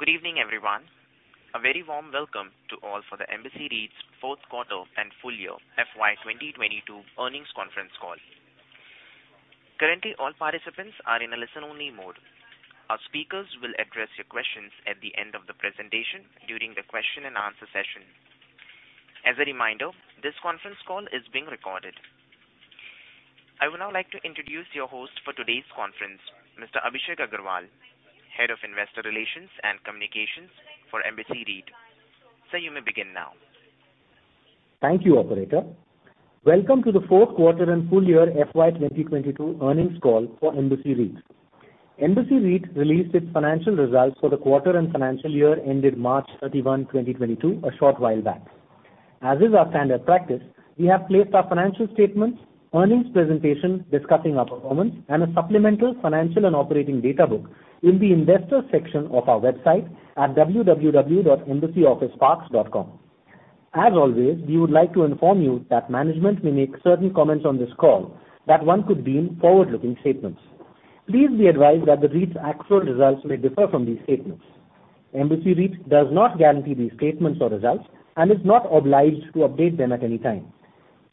Good evening, everyone. A very warm welcome to all for the Embassy REIT's fourth quarter and full-year FY 2022 earnings conference call. Currently, all participants are in a listen-only mode. Our speakers will address your questions at the end of the presentation during the question and answer session. As a reminder, this conference call is being recorded. I would now like to introduce your host for today's conference, Mr. Abhishek Agarwal, Head of Investor Relations and Communications for Embassy REIT. Sir, you may begin now. Thank you, operator. Welcome to the fourth quarter and full-year FY 2022 earnings call for Embassy REIT. Embassy REIT released its financial results for the quarter and financial year ended March 31, 2022, a short while back. As is our standard practice, we have placed our financial statements, earnings presentation discussing our performance, and a supplemental financial and operating data book in the Investor section of our website at www.embassyofficeparks.com. As always, we would like to inform you that management may make certain comments on this call that one could deem forward-looking statements. Please be advised that the REIT's actual results may differ from these statements. Embassy REIT does not guarantee these statements or results and is not obliged to update them at any time.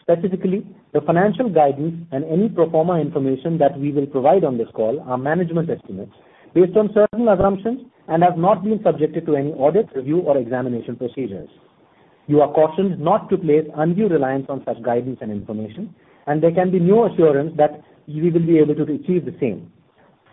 Specifically, the financial guidance and any pro forma information that we will provide on this call are management estimates based on certain assumptions and have not been subjected to any audit, review, or examination procedures. You are cautioned not to place undue reliance on such guidance and information, and there can be no assurance that you will be able to achieve the same.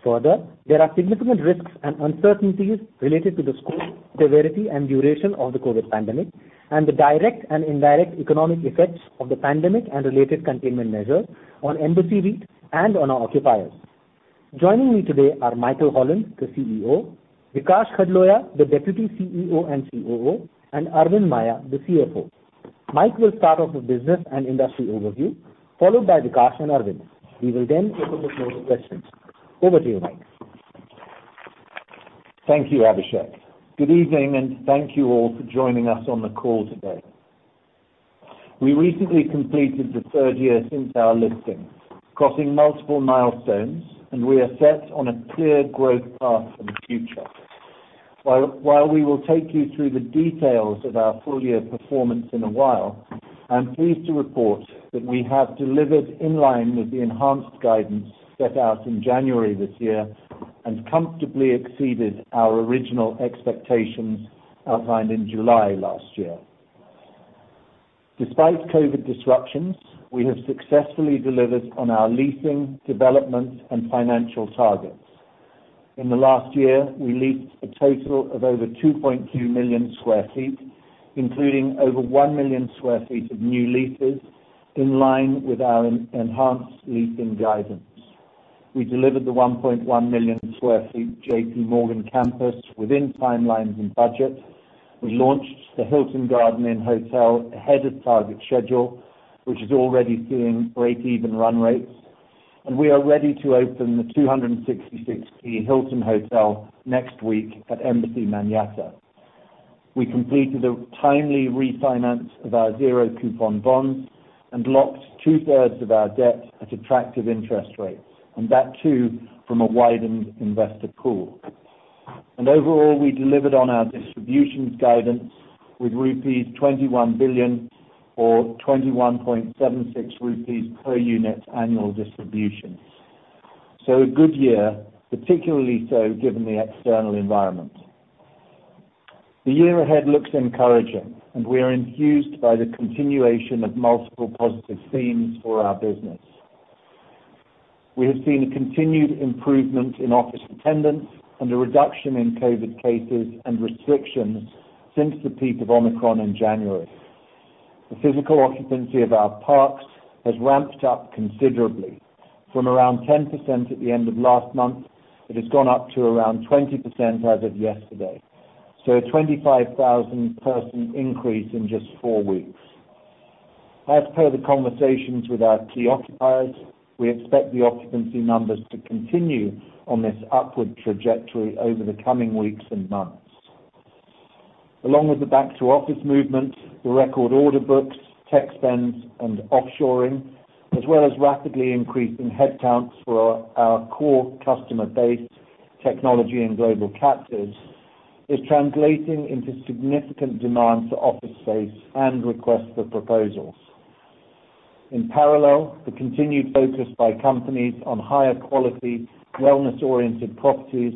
Further, there are significant risks and uncertainties related to the scope, severity, and duration of the COVID pandemic and the direct and indirect economic effects of the pandemic and related containment measures on Embassy REIT and on our occupiers. Joining me today are Michael Holland, the CEO, Vikaash Khdloya, the Deputy CEO and COO, and Aravind Maiya, the CFO. Mike will start off with business and industry overview, followed by Vikaash and Aravind. We will then open the floor to questions. Over to you, Mike. Thank you, Abhishek. Good evening, and thank you all for joining us on the call today. We recently completed the third year since our listing, crossing multiple milestones, and we are set on a clear growth path for the future. While we will take you through the details of our full-year performance in a while, I'm pleased to report that we have delivered in line with the enhanced guidance set out in January this year and comfortably exceeded our original expectations outlined in July last year. Despite COVID disruptions, we have successfully delivered on our leasing, development, and financial targets. In the last year, we leased a total of over 2.2 million sq ft, including over 1 million sq ft of new leases in line with our enhanced leasing guidance. We delivered the 1.1 million sq ft JPMorgan campus within timelines and budget. We launched the Hilton Garden Inn ahead of target schedule, which is already seeing breakeven run rates, and we are ready to open the 266-key Hilton Hotel next week at Embassy Manyata. We completed a timely refinance of our zero coupon bond and locked two-thirds of our debt at attractive interest rates, and that too from a widened investor pool. Overall, we delivered on our distributions guidance with rupees 21 billion or 21.76 rupees per unit annual distribution. A good year, particularly so given the external environment. The year ahead looks encouraging, and we are enthused by the continuation of multiple positive themes for our business. We have seen a continued improvement in office attendance and a reduction in COVID cases and restrictions since the peak of Omicron in January. The physical occupancy of our parks has ramped up considerably. From around 10% at the end of last month, it has gone up to around 20% as of yesterday. A 25,000-person increase in just four weeks. As per the conversations with our key occupiers, we expect the occupancy numbers to continue on this upward trajectory over the coming weeks and months. Along with the back to office movement, the record order books, tech spends, and offshoring, as well as rapidly increasing headcounts for our core customer base, technology, and global captives, is translating into significant demand for office space and requests for proposals. In parallel, the continued focus by companies on higher quality, wellness-oriented properties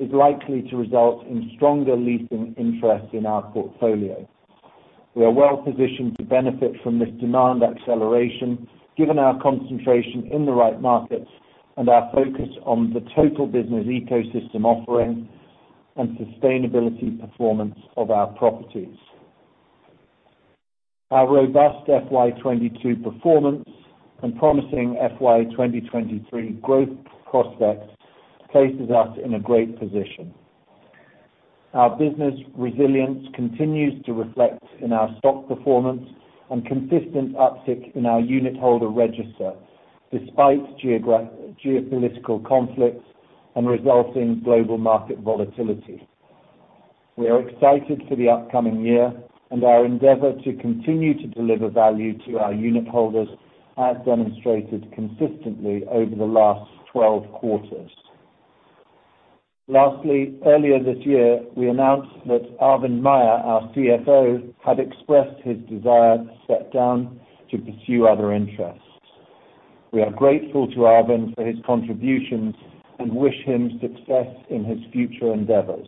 is likely to result in stronger leasing interest in our portfolio. We are well-positioned to benefit from this demand acceleration given our concentration in the right markets and our focus on the total business ecosystem offering and sustainability performance of our properties. Our robust FY 2022 performance and promising FY 2023 growth prospects places us in a great position. Our business resilience continues to reflect in our stock performance and consistent uptick in our unit holder register despite geopolitical conflicts and resulting global market volatility. We are excited for the upcoming year and our endeavor to continue to deliver value to our unitholders, as demonstrated consistently over the last 12 quarters. Lastly, earlier this year, we announced that Aravind Maiya, our CFO, had expressed his desire to step down to pursue other interests. We are grateful to Aravind Maiya for his contributions and wish him success in his future endeavors.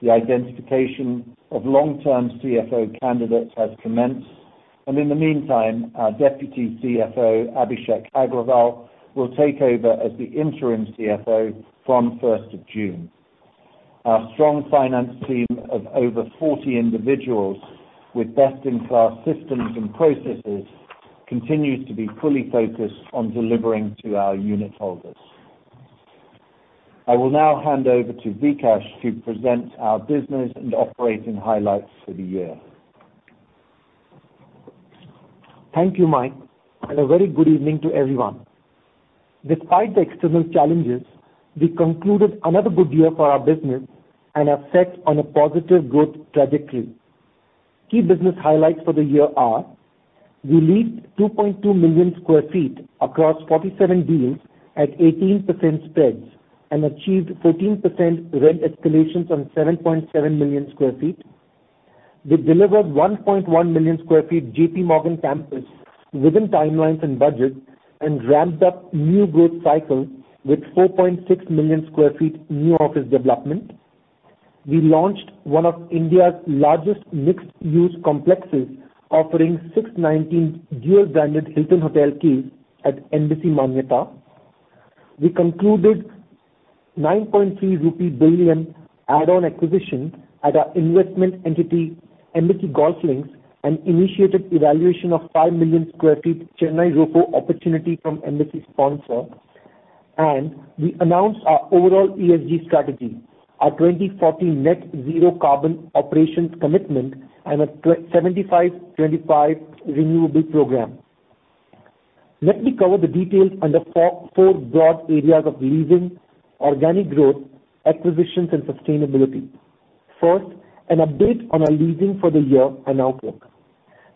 The identification of long-term CFO candidates has commenced, and in the meantime, our Deputy CFO, Abhishek Agrawal, will take over as the interim CFO from 1st of June. Our strong finance team of over 40 individuals with best-in-class systems and processes continues to be fully focused on delivering to our unitholders. I will now hand over to Vikaash to present our business and operating highlights for the year. Thank you, Mike, and a very good evening to everyone. Despite the external challenges, we concluded another good year for our business and are set on a positive growth trajectory. Key business highlights for the year are. We leased 2.2 million sq ft across 47 deals at 18% spreads and achieved 14% rent escalations on 7.7 million sq ft. We delivered 1.1 million sq ft JPMorgan campus within timelines and budgets and ramped up new growth cycle with 4.6 million sq ft new office development. We launched one of India's largest mixed-use complexes, offering 619 dual-branded Hilton Hotel keys at Embassy Manyata. We concluded 9.3 billion rupee add-on acquisition at our investment entity, Embassy GolfLinks, and initiated evaluation of 5 million sq ft Chennai ROFO opportunity from Embassy's sponsor. We announced our overall ESG strategy, our 2040 net zero carbon operations commitment, and a 75-25 renewable program. Let me cover the details under four broad areas of leasing, organic growth, acquisitions, and sustainability. First, an update on our leasing for the year and outlook.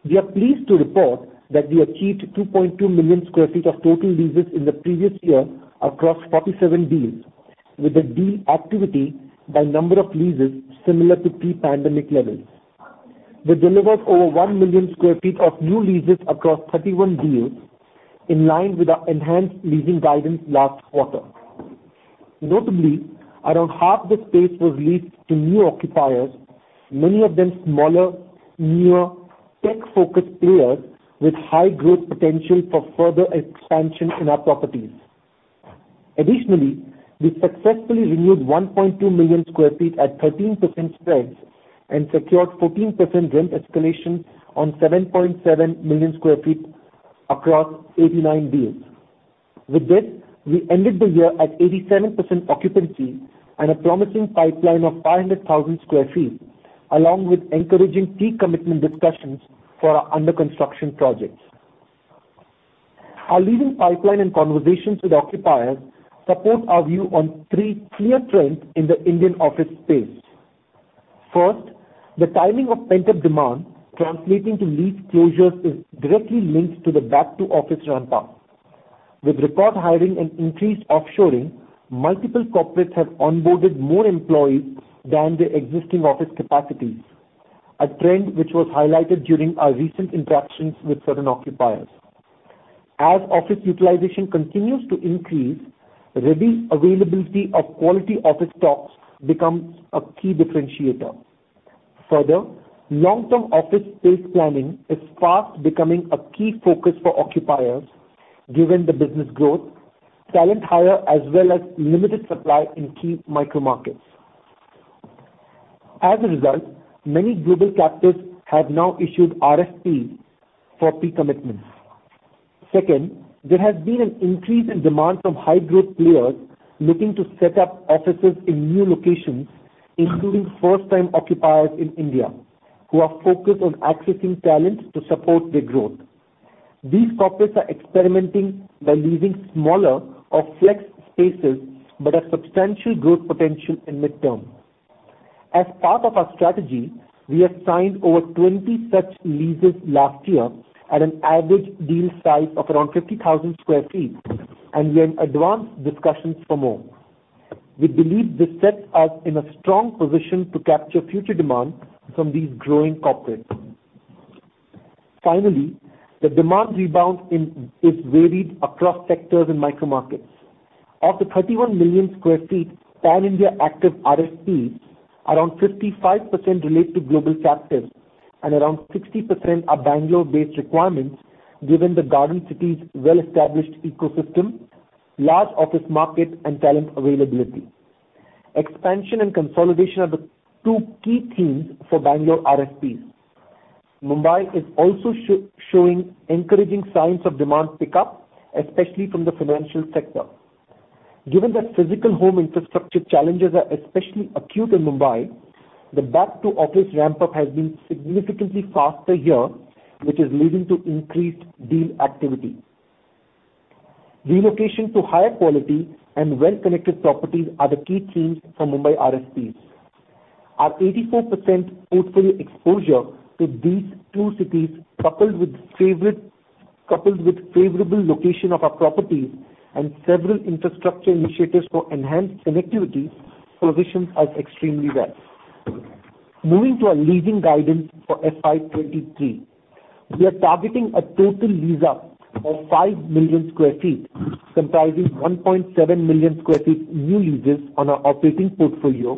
We are pleased to report that we achieved 2.2 million sq ft of total leases in the previous year across 47 deals, with the deal activity by number of leases similar to pre-pandemic levels. We delivered over 1 million sq ft of new leases across 31 deals, in line with our enhanced leasing guidance last quarter. Notably, around half the space was leased to new occupiers, many of them smaller, newer, tech-focused players with high growth potential for further expansion in our properties. Additionally, we successfully renewed 1.2 million sq ft at 13% spreads and secured 14% rent escalation on 7.7 million sq ft across 89 deals. With this, we ended the year at 87% occupancy and a promising pipeline of 500,000 sq ft, along with encouraging pre-commitment discussions for our under-construction projects. Our leading pipeline and conversations with occupiers support our view on three clear trends in the Indian office space. First, the timing of pent-up demand translating to lease closures is directly linked to the back-to-office ramp-up. With record hiring and increased offshoring, multiple corporates have onboarded more employees than their existing office capacities, a trend which was highlighted during our recent interactions with certain occupiers. As office utilization continues to increase, ready availability of quality office stocks becomes a key differentiator. Further, long-term office space planning is fast becoming a key focus for occupiers, given the business growth, talent hire, as well as limited supply in key micro markets. As a result, many global captives have now issued RFPs for pre-commitments. Second, there has been an increase in demand from high-growth players looking to set up offices in new locations, including first-time occupiers in India, who are focused on accessing talent to support their growth. These corporates are experimenting by leasing smaller or flex spaces, but a substantial growth potential in mid-term. As part of our strategy, we have signed over 20 such leases last year at an average deal size of around 50,000 sq ft, and we are in advanced discussions for more. We believe this sets us in a strong position to capture future demand from these growing corporates. Finally, the demand rebound is varied across sectors and micro markets. Of the 31 million sq ft pan-India active RFPs, around 55% relate to global captives and around 60% are Bangalore-based requirements, given the Garden City's well-established ecosystem, large office market, and talent availability. Expansion and consolidation are the two key themes for Bangalore RFPs. Mumbai is also showing encouraging signs of demand pickup, especially from the financial sector. Given that physical home infrastructure challenges are especially acute in Mumbai, the back to office ramp-up has been significantly faster here, which is leading to increased deal activity. Relocation to higher quality and well-connected properties are the key themes for Mumbai RFPs. Our 84% portfolio exposure to these two cities, coupled with favorable location of our properties and several infrastructure initiatives for enhanced connectivity positions us extremely well. Moving to our leasing guidance for FY 2023. We are targeting a total lease up of 5 million sq ft, comprising 1.7 million sq ft new leases on our operating portfolio,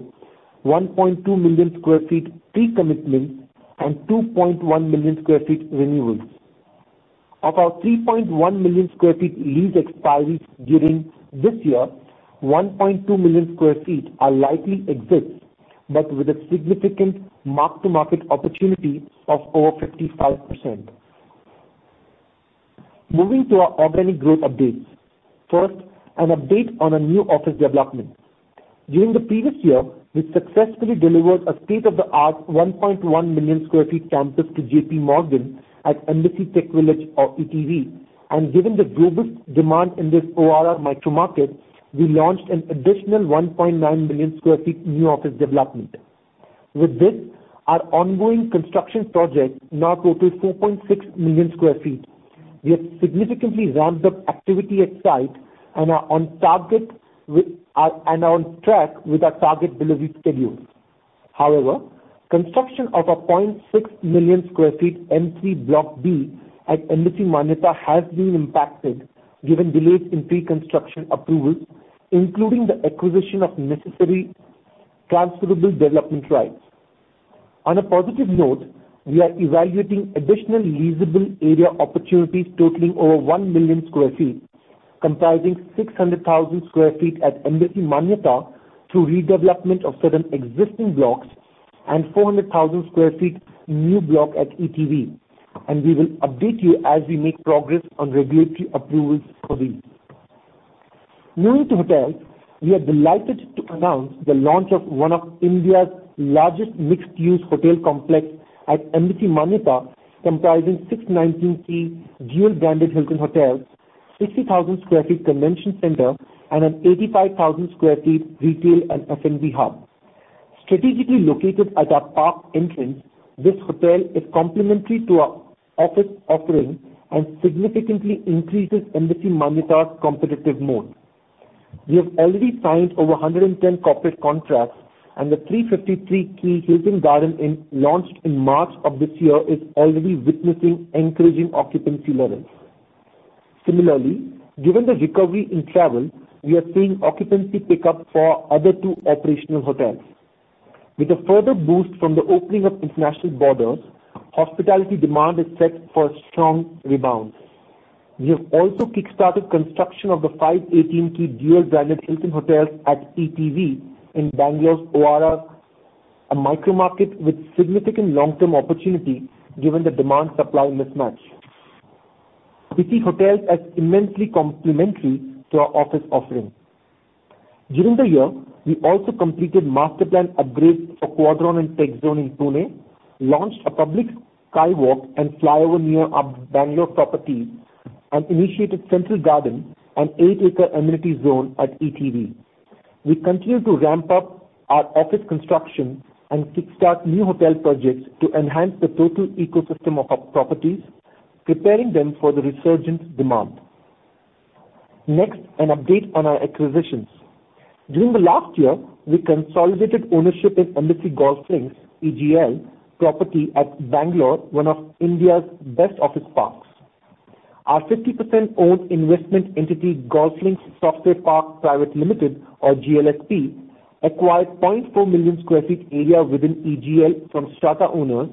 1.2 million sq ft pre-commitments, and 2.1 million sq ft renewals. Of our 3.1 million sq ft lease expiries during this year, 1.2 million sq ft are likely exits, but with a significant mark-to-market opportunity of over 55%. Moving to our organic growth updates. First, an update on our new office development. During the previous year, we successfully delivered a state-of-the-art 1.1 million sq ft campus to JPMorgan at Embassy TechVillage, or ETV. Given the global demand in this ORR micro market, we launched an additional 1.9 million sq ft new office development. With this, our ongoing construction projects now total 4.6 million sq ft. We have significantly ramped up activity at site and are on track with our target delivery schedules. However, construction of our 0.6 million sq ft N3 Block B at Embassy Manyata has been impacted given delays in pre-construction approvals, including the acquisition of necessary transferable development rights. On a positive note, we are evaluating additional leasable area opportunities totaling over 1 million sq ft, comprising 600,000 sq ft at Embassy Manyata through redevelopment of certain existing blocks and 400,000 sq ft new block at ETV. We will update you as we make progress on regulatory approvals for these. Moving to hotels. We are delighted to announce the launch of one of India's largest mixed-use hotel complex at Embassy Manyata, comprising 619-key dual-branded Hilton Hotels, 60,000 sq ft convention center, and an 85,000 sq ft retail and F&B hub. Strategically located at our park entrance, this hotel is complementary to our office offering and significantly increases Embassy Manyata's competitive moat. We have already signed over 110 corporate contracts, and the 353-key Hilton Garden Inn, launched in March of this year, is already witnessing encouraging occupancy levels. Similarly, given the recovery in travel, we are seeing occupancy pick up for our other two operational hotels. With a further boost from the opening of international borders, hospitality demand is set for a strong rebound. We have also kick-started construction of the 518-key dual-branded Hilton Hotels at ETV in Bangalore's ORR, a micro market with significant long-term opportunity given the demand-supply mismatch. We see hotels as immensely complementary to our office offering. During the year, we also completed master plan upgrades for Quadron and TechZone in Pune, launched a public skywalk and flyover near our Bangalore properties, and initiated Central Garden, an 8-acre amenity zone at ETV. We continue to ramp up our office construction and kickstart new hotel projects to enhance the total ecosystem of our properties, preparing them for the resurgent demand. Next, an update on our acquisitions. During the last year, we consolidated ownership in Embassy GolfLinks, EGL, property at Bangalore, one of India's best office parks. Our 50% owned investment entity, GolfLinks Software Park Private Limited, or GLSP, acquired 0.4 million sq ft area within EGL from strata owners,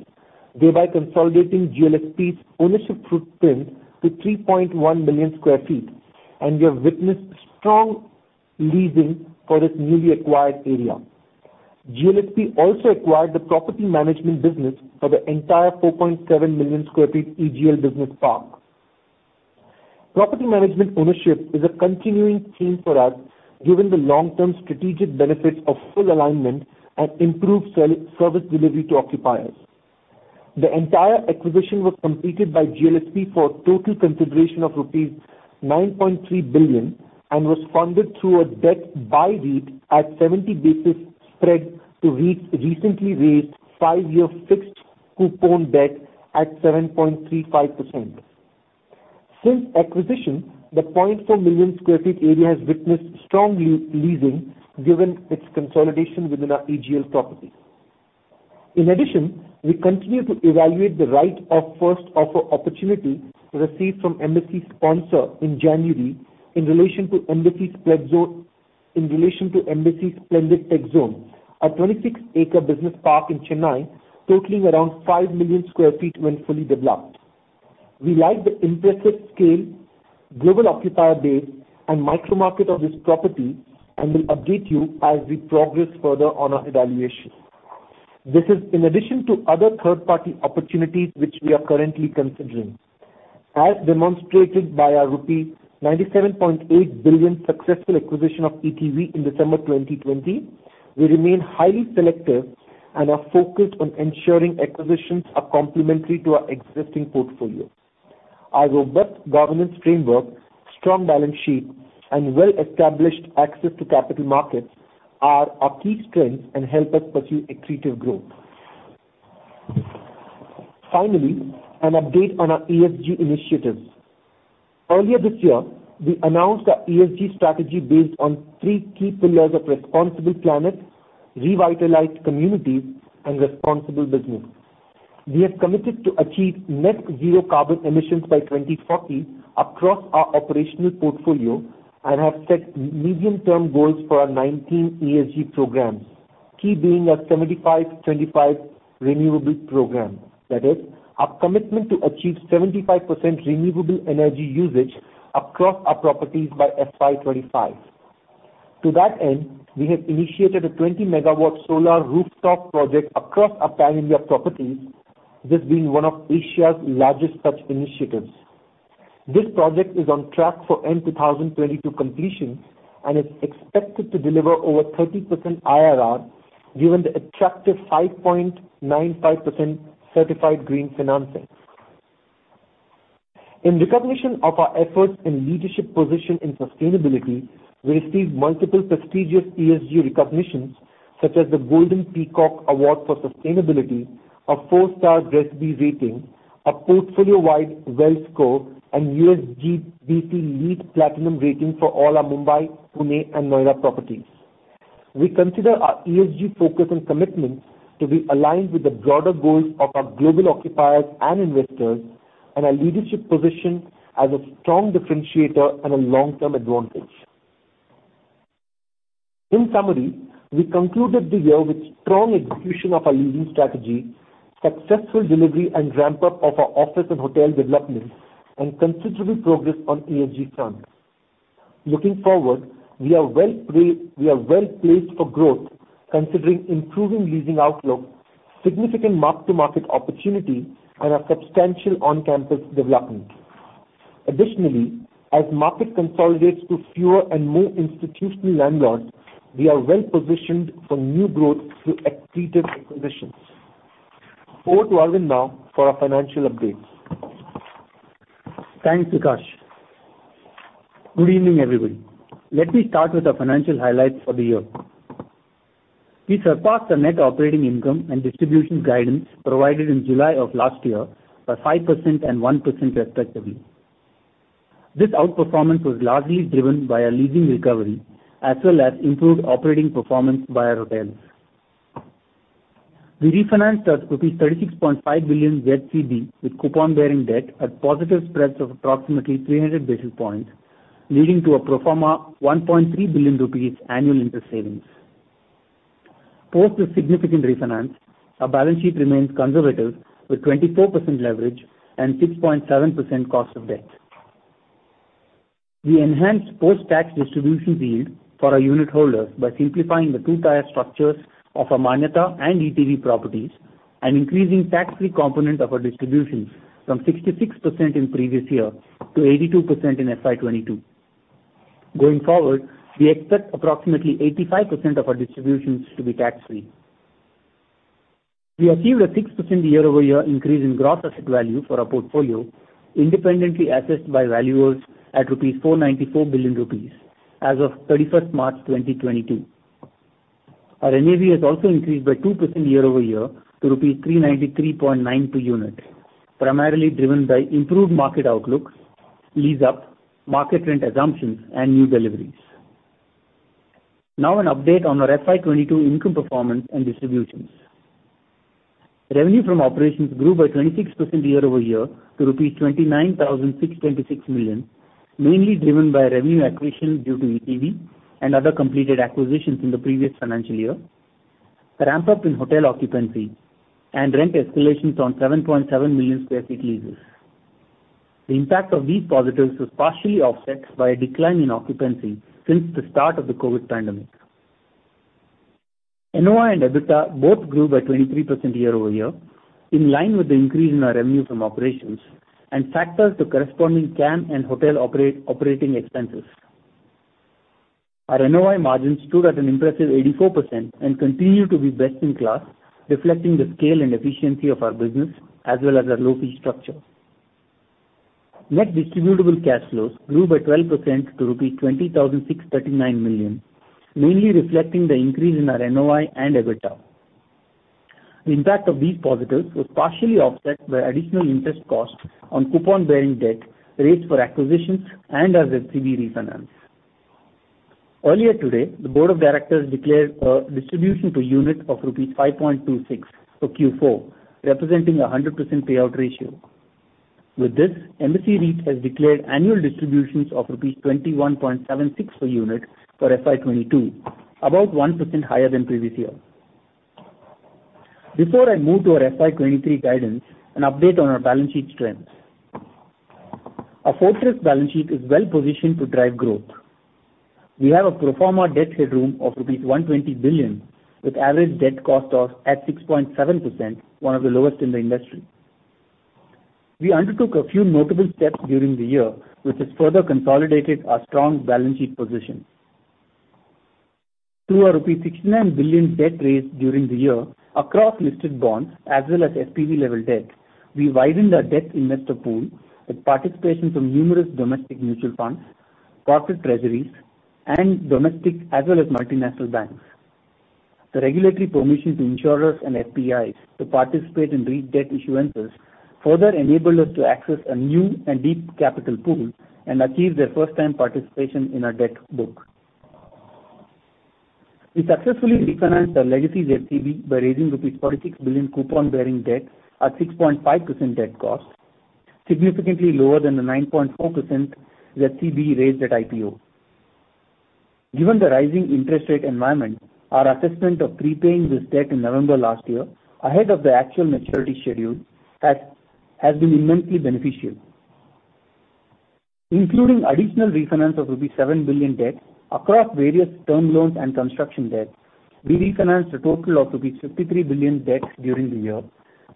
thereby consolidating GLSP's ownership footprint to 3.1 million sq ft. We have witnessed strong leasing for this newly acquired area. GLSP also acquired the property management business for the entire 4.7 million sq ft EGL business park. Property management ownership is a continuing theme for us, given the long-term strategic benefits of full alignment and improved service delivery to occupiers. The entire acquisition was completed by GLSP for a total consideration of rupees 9.3 billion and was funded through a debt buyback at 70 basis spread to recently raised five-year fixed coupon debt at 7.35%. Since acquisition, the 0.4 million sq ft area has witnessed strong leasing given its consolidation within our EGL property. In addition, we continue to evaluate the right of first offer opportunity received from Embassy's sponsor in January in relation to Embassy Splendid TechZone, our 26-acre business park in Chennai, totaling around 5 million sq ft when fully developed. We like the impressive scale, global occupier base, and micro market of this property and will update you as we progress further on our evaluation. This is in addition to other third-party opportunities which we are currently considering. As demonstrated by our rupee 97.8 billion successful acquisition of ETV in December 2020. We remain highly selective and are focused on ensuring acquisitions are complementary to our existing portfolio. Our robust governance framework, strong balance sheet, and well-established access to capital markets are our key strengths and help us pursue accretive growth. Finally, an update on our ESG initiatives. Earlier this year, we announced our ESG strategy based on three key pillars of responsible planet, revitalized communities, and responsible business. We have committed to achieve net zero carbon emissions by 2040 across our operational portfolio and have set medium-term goals for our 19 ESG programs, key being our 75/25 renewable program. That is our commitment to achieve 75% renewable energy usage across our properties by FY 2025. To that end, we have initiated a 20-megawatt solar rooftop project across our pan-India properties, this being one of Asia's largest such initiatives. This project is on track for end 2022 completion, and is expected to deliver over 30% IRR, given the attractive 5.95% certified green financing. In recognition of our efforts and leadership position in sustainability, we received multiple prestigious ESG recognitions, such as the Golden Peacock Award for Sustainability, a four-star GRESB rating, a portfolio-wide WELL score, and USGBC LEED Platinum rating for all our Mumbai, Pune, and Noida properties. We consider our ESG focus and commitment to be aligned with the broader goals of our global occupiers and investors, and our leadership position as a strong differentiator and a long-term advantage. In summary, we concluded the year with strong execution of our leasing strategy, successful delivery and ramp-up of our office and hotel developments, and considerable progress on ESG front. Looking forward, we are well-placed for growth considering improving leasing outlook, significant mark-to-market opportunity, and our substantial on-campus development. Additionally, as market consolidates to fewer and more institutional landlords, we are well-positioned for new growth through accretive acquisitions. Over to Aravind now for our financial update. Thanks, Vikaash. Good evening, everybody. Let me start with our financial highlights for the year. We surpassed our net operating income and distribution guidance provided in July of last year by 5% and 1% respectively. This outperformance was largely driven by our leasing recovery, as well as improved operating performance by our hotels. We refinanced our INR 36.5 billion ZCB with coupon-bearing debt at positive spreads of approximately 300 basis points, leading to a pro forma 1.3 billion rupees annual interest savings. Post this significant refinance, our balance sheet remains conservative with 24% leverage and 6.7% cost of debt. We enhanced post-tax distribution yield for our unit holders by simplifying the two-tier structures of our Manyata and ETV properties and increasing tax-free component of our distributions from 66% in previous year to 82% in FY 2022. Going forward, we expect approximately 85% of our distributions to be tax-free. We achieved a 6% year-over-year increase in gross asset value for our portfolio, independently assessed by valuers at 494 billion rupees as of March 31, 2022. Our NAV has also increased by 2% year-over-year to rupees 393.9 per unit, primarily driven by improved market outlook, lease-up, market rent assumptions, and new deliveries. Now an update on our FY 2022 income performance and distributions. Revenue from operations grew by 26% year-over-year to rupees 29,626 million, mainly driven by revenue acquisition due to ETV and other completed acquisitions in the previous financial year, ramp-up in hotel occupancy, and rent escalations on 7.7 million sq ft leases. The impact of these positives was partially offset by a decline in occupancy since the start of the COVID pandemic. NOI and EBITDA both grew by 23% year-over-year, in line with the increase in our revenue from operations and factors to corresponding CAM and hotel operating expenses. Our NOI margins stood at an impressive 84% and continue to be best in class, reflecting the scale and efficiency of our business as well as our low fee structure. Net distributable cash flows grew by 12% to rupees 20,639 million, mainly reflecting the increase in our NOI and EBITDA. The impact of these positives was partially offset by additional interest costs on coupon-bearing debt raised for acquisitions and our ZCB refinance. Earlier today, the Board of Directors declared a distribution per unit of rupees 5.26 for Q4, representing a 100% payout ratio. With this, Embassy REIT has declared annual distributions of rupees 21.76 per unit for FY 2022, about 1% higher than previous year. Before I move to our FY 2023 guidance, an update on our balance sheet strengths. Our fortress balance sheet is well-positioned to drive growth. We have a pro forma debt headroom of rupees 120 billion with average debt cost of 6.7%, one of the lowest in the industry. We undertook a few notable steps during the year, which has further consolidated our strong balance sheet position. Through our rupees 16 billion debt raised during the year across listed bonds as well as SPV level debt, we widened our debt investor pool with participation from numerous domestic mutual funds, corporate treasuries, and domestic as well as multinational banks. The regulatory permission to insurers and FPIs to participate in REIT debt issuances further enabled us to access a new and deep capital pool and achieve their first time participation in our debt book. We successfully refinanced our legacy ZCB by raising rupees 46 billion coupon-bearing debt at 6.5% debt cost, significantly lower than the 9.4% ZCB raised at IPO. Given the rising interest rate environment, our assessment of prepaying this debt in November last year ahead of the actual maturity schedule has been immensely beneficial. Including additional refinance of rupees 7 billion debt across various term loans and construction debt, we refinanced a total of rupees 53 billion debts during the year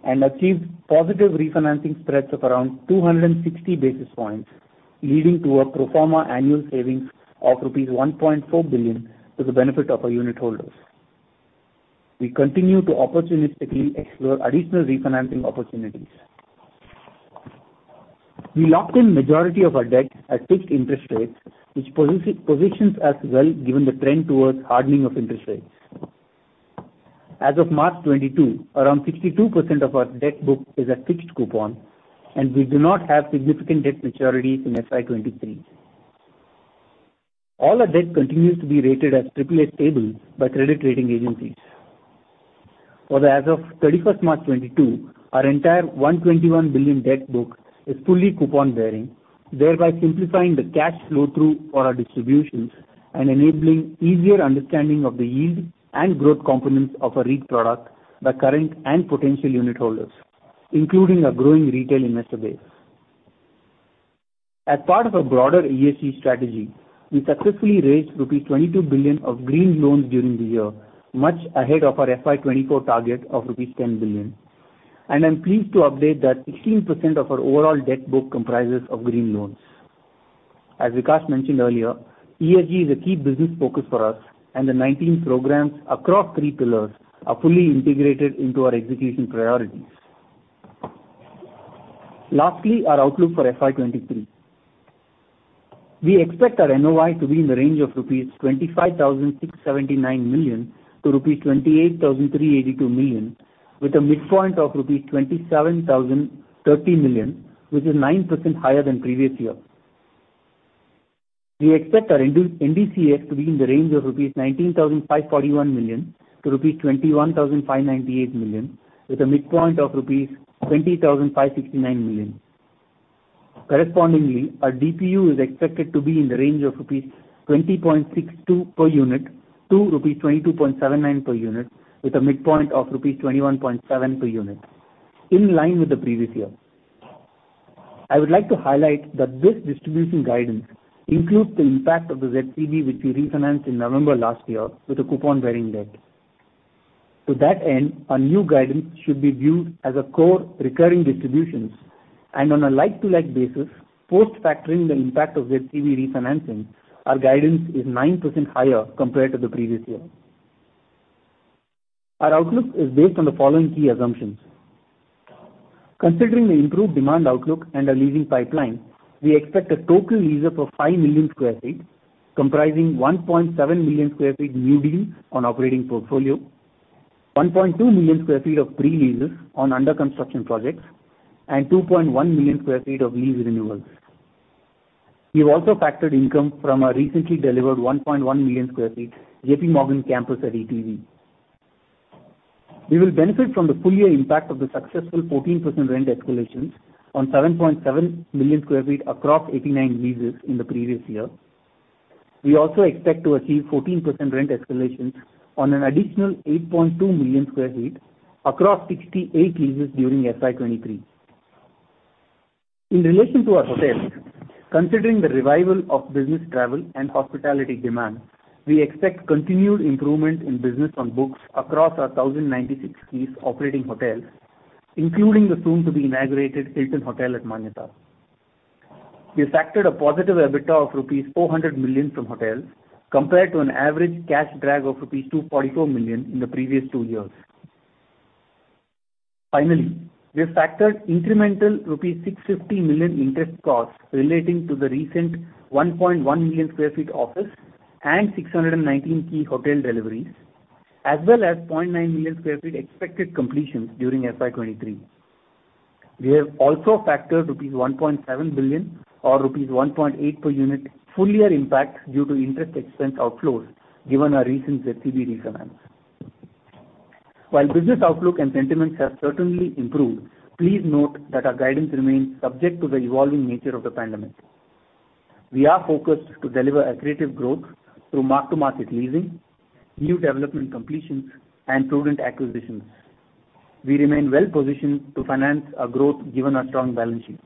and achieved positive refinancing spreads of around 260 basis points, leading to a pro forma annual savings of rupees 1.4 billion to the benefit of our unit holders. We continue to opportunistically explore additional refinancing opportunities. We locked in majority of our debt at fixed interest rates, which positions us well given the trend towards hardening of interest rates. As of March 2022, around 62% of our debt book is at fixed coupon, and we do not have significant debt maturities in FY 2023. All our debt continues to be rated as AAA/Stable by credit rating agencies. For the as of 31 March 2022, our entire 121 billion debt book is fully coupon-bearing, thereby simplifying the cash flow through for our distributions and enabling easier understanding of the yield and growth components of our REIT product by current and potential unit holders, including our growing retail investor base. As part of our broader ESG strategy, we successfully raised rupees 22 billion of green loans during the year, much ahead of our FY 2024 target of rupees 10 billion. I'm pleased to update that 16% of our overall debt book comprises of green loans. As Vikaash mentioned earlier, ESG is a key business focus for us, and the 19 programs across three pillars are fully integrated into our execution priorities. Lastly, our outlook for FY 2023. We expect our NOI to be in the range of 25,679 million-28,382 million rupees, with a midpoint of rupees 27,030 million, which is 9% higher than previous year. We expect our NDCS to be in the range of 19,541 million-21,598 million rupees, with a midpoint of rupees 20,569 million. Correspondingly, our DPU is expected to be in the range of 20.62-22.79 rupees per unit, with a midpoint of rupees 21.7 per unit, in line with the previous year. I would like to highlight that this distribution guidance includes the impact of the ZCB, which we refinanced in November last year with a coupon-bearing debt. To that end, our new guidance should be viewed as a core recurring distributions. On a like-for-like basis, post factoring the impact of ZCB refinancing, our guidance is 9% higher compared to the previous year. Our outlook is based on the following key assumptions. Considering the improved demand outlook and our leasing pipeline, we expect a total leases of 5 million sq ft, comprising 1.7 million sq ft new deals on operating portfolio, 1.2 million sq ft of pre-leases on under construction projects, and 2.1 million sq ft of lease renewals. We have also factored income from our recently delivered 1.1 million sq ft JPMorgan campus at ETV. We will benefit from the full-year impact of the successful 14% rent escalations on 7.7 million sq ft across 89 leases in the previous year. We also expect to achieve 14% rent escalations on an additional 8.2 million sq ft across 68 leases during FY 2023. In relation to our hotels, considering the revival of business travel and hospitality demand, we expect continued improvement in business on books across our 1,096-key operating hotels, including the soon to be inaugurated Hilton Hotel at Manyata. We have factored a positive EBITDA of rupees 400 million from hotels compared to an average cash drag of rupees 244 million in the previous two years. Finally, we have factored incremental rupees 650 million interest costs relating to the recent 1.1 million sq ft office and 619-key hotel deliveries, as well as 0.9 million sq ft expected completions during FY 2023. We have also factored rupees 1.7 billion or rupees 1.8 per unit full-year impact due to interest expense outflows given our recent ZCB refinance. While business outlook and sentiments have certainly improved, please note that our guidance remains subject to the evolving nature of the pandemic. We are focused to deliver accretive growth through mark-to-market leasing, new development completions, and prudent acquisitions. We remain well-positioned to finance our growth given our strong balance sheet.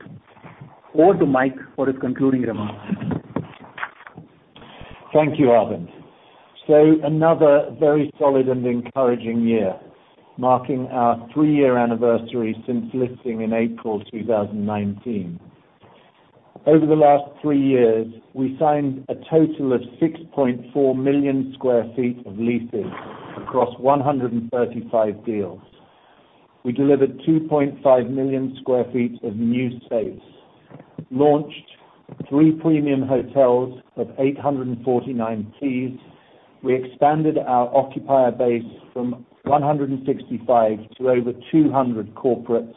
Over to Mike for his concluding remarks. Thank you, Aravind. Another very solid and encouraging year, marking our three-year anniversary since listing in April 2019. Over the last three years, we signed a total of 6.4 million sq ft of leasing across 135 deals. We delivered 2.5 million sq ft of new space, launched three premium hotels of 849 keys. We expanded our occupier base from 165 to over 200 corporates.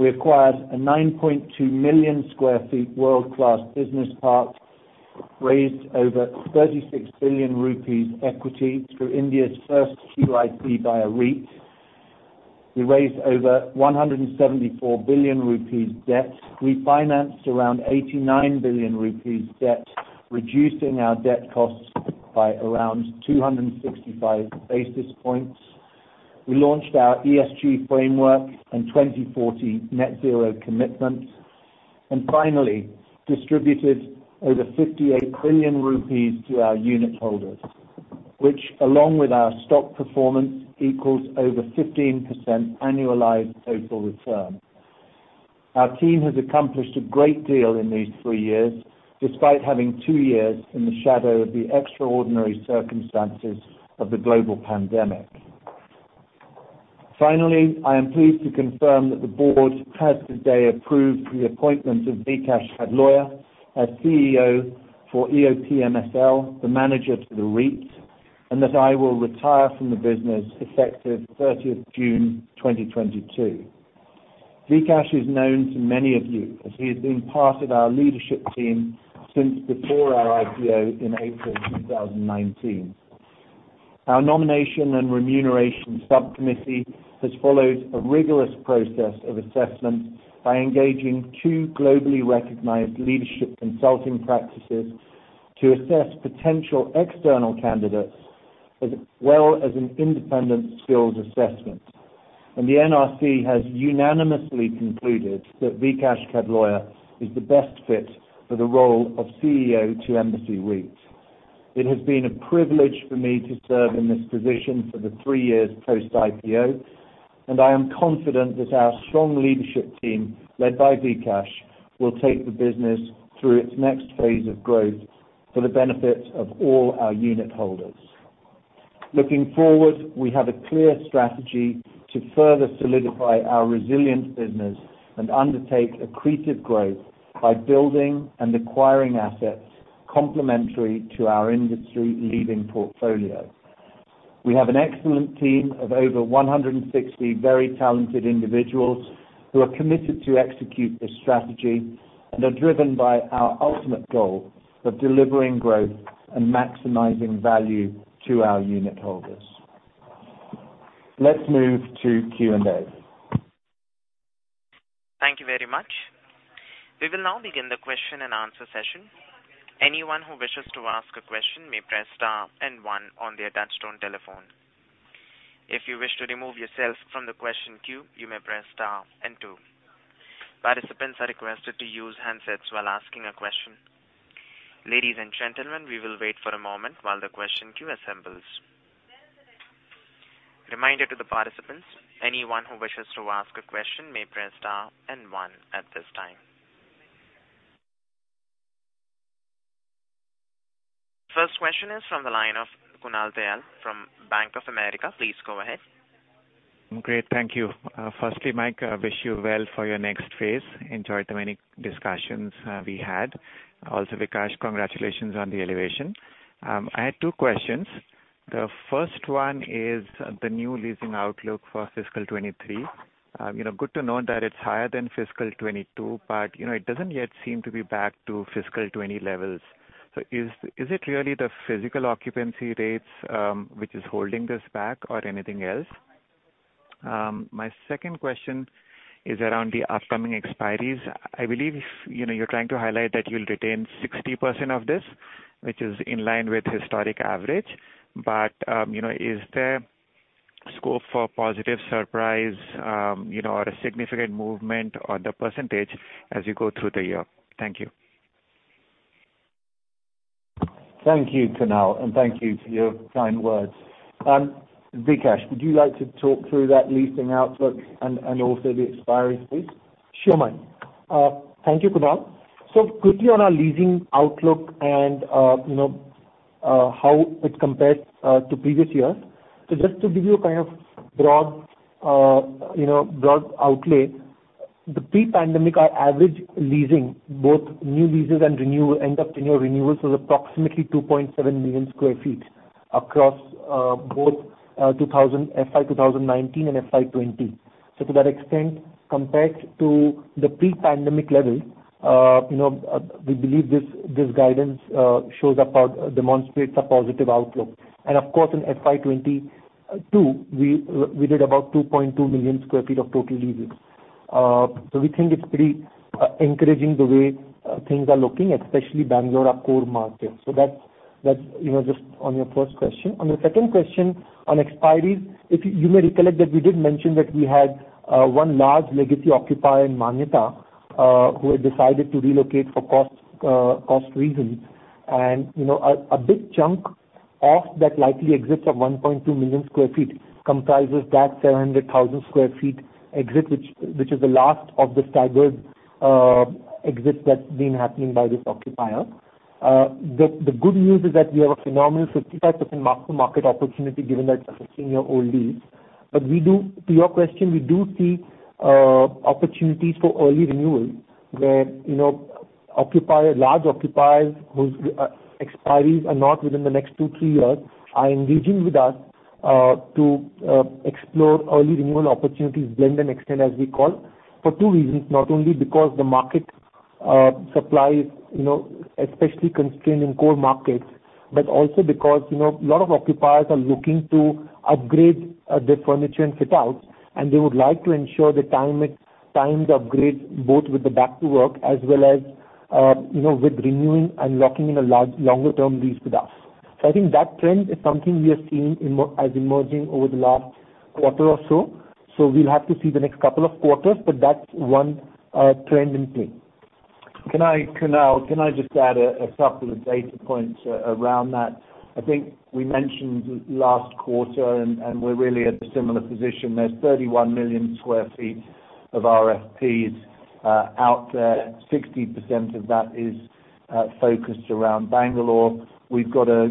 We acquired a 9.2 million sq ft world-class business park, raised over 36 billion rupees equity through India's first QIP via REIT. We raised over 174 billion rupees debt. We financed around 89 billion rupees debt, reducing our debt costs by around 265 basis points. We launched our ESG framework and 2040 net zero commitment. Finally, distributed over 58 billion rupees to our unitholders, which, along with our stock performance, equals over 15% annualized total return. Our team has accomplished a great deal in these three years, despite having two years in the shadow of the extraordinary circumstances of the global pandemic. Finally, I am pleased to confirm that the board has today approved the appointment of Vikaash Khdloya as CEO for EOPMSPL, the manager to the REIT, and that I will retire from the business effective 30th June 2022. Vikaash is known to many of you, as he has been part of our leadership team since before our IPO in April 2019. Our nomination and remuneration subcommittee has followed a rigorous process of assessment by engaging two globally recognized leadership consulting practices to assess potential external candidates, as well as an independent skills assessment. The NRC has unanimously concluded that Vikaash Khdloya is the best fit for the role of CEO to Embassy REIT. It has been a privilege for me to serve in this position for the three years post-IPO, and I am confident that our strong leadership team, led by Vikaash, will take the business through its next phase of growth for the benefit of all our unitholders. Looking forward, we have a clear strategy to further solidify our resilient business and undertake accretive growth by building and acquiring assets complementary to our industry-leading portfolio. We have an excellent team of over 160 very talented individuals who are committed to execute this strategy and are driven by our ultimate goal of delivering growth and maximizing value to our unitholders. Let's move to Q&A. Thank you very much. We will now begin the question-and-answer session. Anyone who wishes to ask a question may press star and one on their touch-tone telephone. If you wish to remove yourself from the question queue, you may press star and two. Participants are requested to use handsets while asking a question. Ladies and gentlemen, we will wait for a moment while the question queue assembles. Reminder to the participants, anyone who wishes to ask a question may press star and one at this time. First question is from the line of Kunal Tayal from Bank of America. Please go ahead. Great. Thank you. Firstly, Mike, I wish you well for your next phase. Enjoyed the many discussions we had. Also, Vikaash, congratulations on the elevation. I had two questions. The first one is the new leasing outlook for fiscal year 2023. You know, good to know that it's higher than fiscal year 2022, but you know, it doesn't yet seem to be back to fiscal year 2020 levels. Is it really the physical occupancy rates which is holding this back or anything else? My second question is around the upcoming expiries. I believe you know, you're trying to highlight that you'll retain 60% of this, which is in line with historic average. You know, is there scope for positive surprise or a significant movement on the percentage as you go through the year? Thank you. Thank you, Kunal, and thank you for your kind words. Vikaash, would you like to talk through that leasing outlook and also the expiry space? Sure, Mike. Thank you, Kunal. Quickly on our leasing outlook and, you know, how it compares to previous years. Just to give you a kind of broad, you know, broad outlay, the pre-pandemic, our average leasing, both new leases and end of tenure renewals was approximately 2.7 million sq ft across both FY 2019 and FY 2020. To that extent, compared to the pre-pandemic level, you know, we believe this guidance demonstrates a positive outlook. Of course, in FY 2022, we did about 2.2 million sq ft of total leasing. We think it's pretty encouraging the way things are looking, especially Bangalore, our core market. That's you know, just on your first question. On your second question on expiries, if you may recollect that we did mention that we had one large legacy occupier in Manyata, who had decided to relocate for cost reasons. You know, a big chunk of that likely exits of 1.2 million sq ft comprises that 700,000 sq ft exit, which is the last of the staggered exits that's been happening by this occupier. The good news is that we have a phenomenal 55% mark-to-market opportunity given that it's a senior old lease. But we do. To your question, we do see opportunities for early renewal where, you know, large occupiers whose expiries are not within the next two, three years are engaging with us to explore early renewal opportunities, blend and extend, as we call, for two reasons, not only because the market supply is, you know, especially constrained in core markets, but also because, you know, a lot of occupiers are looking to upgrade their furniture and fit outs, and they would like to ensure they time the upgrades both with the back to work as well as, you know, with renewing and locking in a longer term lease with us. So I think that trend is something we have seen as emerging over the last quarter or so. We'll have to see the next couple of quarters, but that's one trend in play. Can I, Kunal, just add a couple of data points around that? I think we mentioned last quarter, and we're really at a similar position. There's 31 million sq ft of RFPs out there. 60% of that is focused around Bangalore. We've got a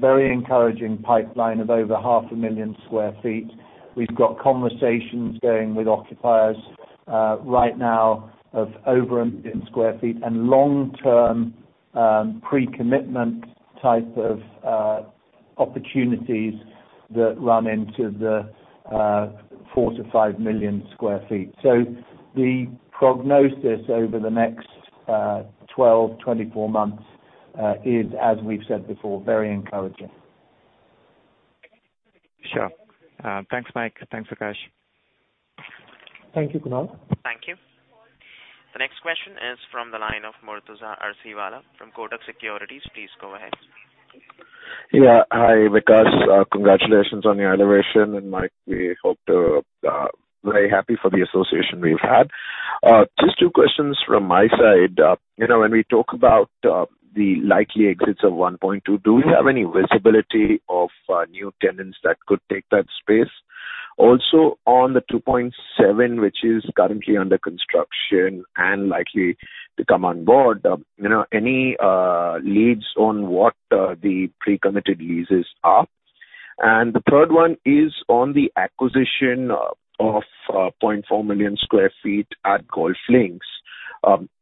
very encouraging pipeline of over half a million sq ft. We've got conversations going with occupiers right now of over 1 million sq ft and long-term pre-commitment type of opportunities that run into the 4 million-5 million sq ft. The prognosis over the next 12-24 months is, as we've said before, very encouraging. Sure. Thanks, Michael. Thanks, Vikaash. Thank you, Kunal. Thank you. The next question is from the line of Murtuza Arsiwalla from Kotak Securities. Please go ahead. Yeah. Hi, Vikaash. Congratulations on your elevation. Mike, we hope to very happy for the association we've had. Just two questions from my side. You know, when we talk about the likely exits of 1.2, do we have any visibility of new tenants that could take that space? Also, on the 2.7, which is currently under construction and likely to come on board, you know, any leads on what the pre-committed leases are? The third one is on the acquisition of 0.4 million sq ft at GolfLinks.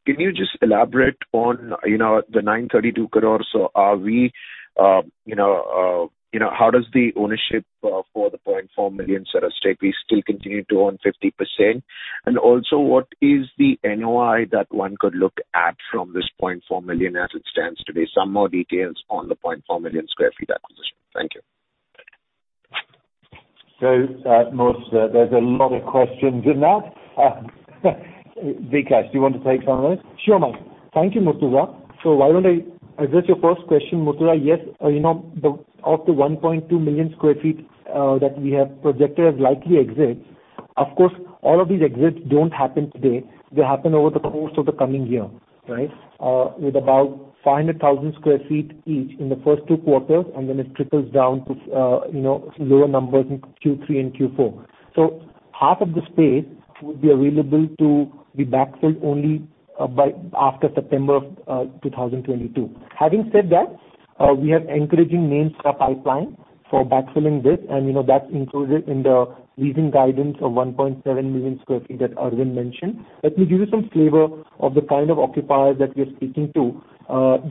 Can you just elaborate on, you know, the 932 crore? So are we, you know, you know, how does the ownership for the 0.4 million sq ft asset at stake? We still continue to own 50%. Also, what is the NOI that one could look at from this 0.4 million as it stands today? Some more details on the 0.4 million sq ft acquisition. Thank you. Murtuza, there's a lot of questions in that. Vikaash, do you want to take some of those? Sure, Mike. Thank you, Murtuza. Why don't I address your first question, Murtuza? Yes. You know, the 1.2 million sq ft that we have projected as likely exits, of course, all of these exits don't happen today. They happen over the course of the coming year, right? With about 500,000 sq ft each in the first two quarters, and then it trickles down to, you know, lower numbers in Q3 and Q4. Half of the space will be available to be backfilled only after September of 2022. Having said that, we have encouraging names in our pipeline for backfilling this, and you know, that's included in the leasing guidance of 1.7 million sq ft that Aravind mentioned. Let me give you some flavor of the kind of occupiers that we're speaking to,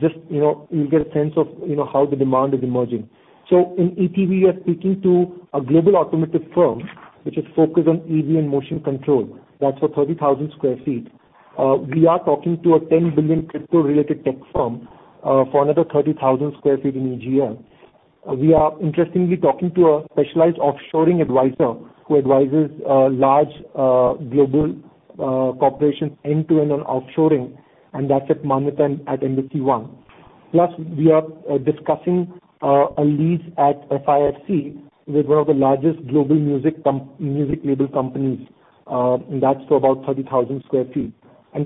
just, you know, you'll get a sense of, you know, how the demand is emerging. In ETV, we are speaking to a global automotive firm which is focused on EV and motion control. That's for 30,000 sq ft. We are talking to a $10 billion crypto-related tech firm, for another 30,000 sq ft in EGL. We are interestingly talking to a specialized offshoring advisor who advises large global corporations end-to-end on offshoring, and that's at Manthan at Embassy One. Plus, we are discussing a lease at FIFC with one of the largest global music label companies, and that's for about 30,000 sq ft.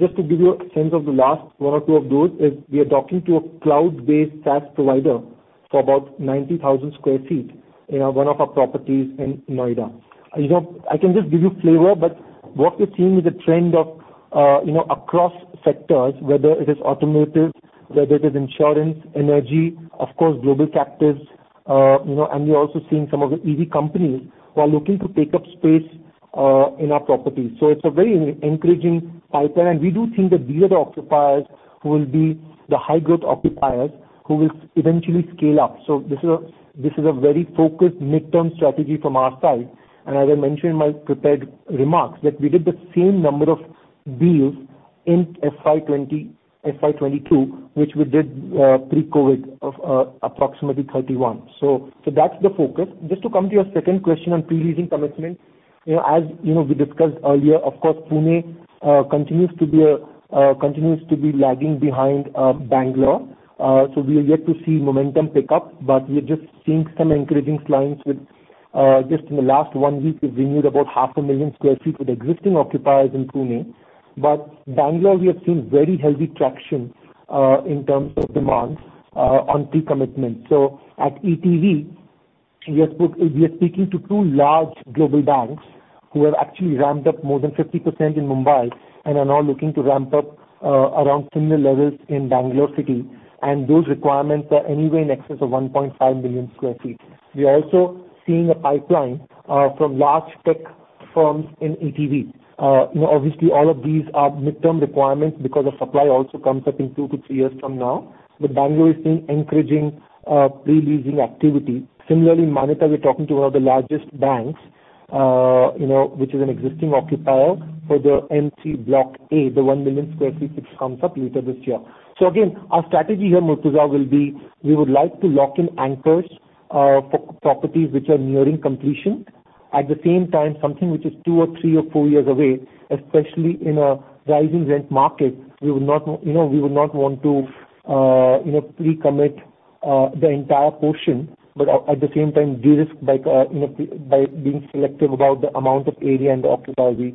Just to give you a sense of the last one or two of those is we are talking to a cloud-based SaaS provider for about 90,000 sq ft in one of our properties in Noida. You know, I can just give you flavor, but what we're seeing is a trend of you know, across sectors, whether it is automotive, whether it is insurance, energy, of course, global captives, you know, and we're also seeing some of the EV companies who are looking to take up space in our property. It's a very encouraging pipeline. We do think that these are the occupiers who will be the high growth occupiers who will eventually scale up. This is a very focused midterm strategy from our side. As I mentioned in my prepared remarks, that we did the same number of deals in FY 2022, which we did pre-COVID of approximately 31. That's the focus. Just to come to your second question on pre-leasing commitments. You know, as you know, we discussed earlier, of course, Pune continues to be lagging behind Bangalore. So we are yet to see momentum pick up, but we are just seeing some encouraging signs with just in the last one week, we've renewed about 500,000 sq ft with existing occupiers in Pune. But Bangalore, we have seen very healthy traction in terms of demand on pre-commitment. At ETV, we are speaking to two large global banks who have actually ramped up more than 50% in Mumbai and are now looking to ramp up around similar levels in Bangalore City. Those requirements are anywhere in excess of 1.5 million sq ft. We are also seeing a pipeline from large tech firms in ETV. You know, obviously all of these are midterm requirements because the supply also comes up in two to three years from now. Bangalore is seeing encouraging pre-leasing activity. Similarly, Manyata, we're talking to one of the largest banks, you know, which is an existing occupier for the MC Block A, the 1 million sq ft, which comes up later this year. Again, our strategy here, Murtuza, will be we would like to lock in anchors for properties which are nearing completion. At the same time, something which is two or three or four years away, especially in a rising rent market, we would not, you know, we would not want to, you know, pre-commit the entire portion, but at the same time, de-risk by, you know, by being selective about the amount of area and the occupier we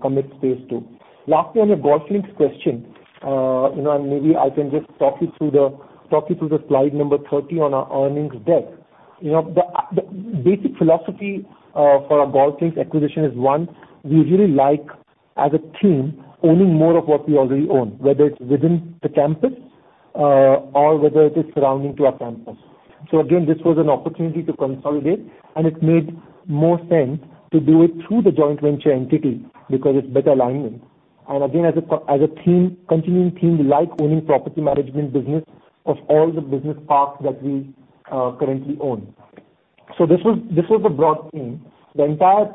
commit space to. Lastly, on the GolfLinks question, you know, and maybe I can just talk you through the slide number 30 on our earnings deck. You know, the basic philosophy for our GolfLinks acquisition is, one, we really like, as a team, owning more of what we already own, whether it's within the campus or whether it is surrounding to our campus. Again, this was an opportunity to consolidate, and it made more sense to do it through the joint venture entity because it's better alignment. Again, as a team, continuing team, we like owning property management business of all the business parks that we currently own. This was the broad theme. The entire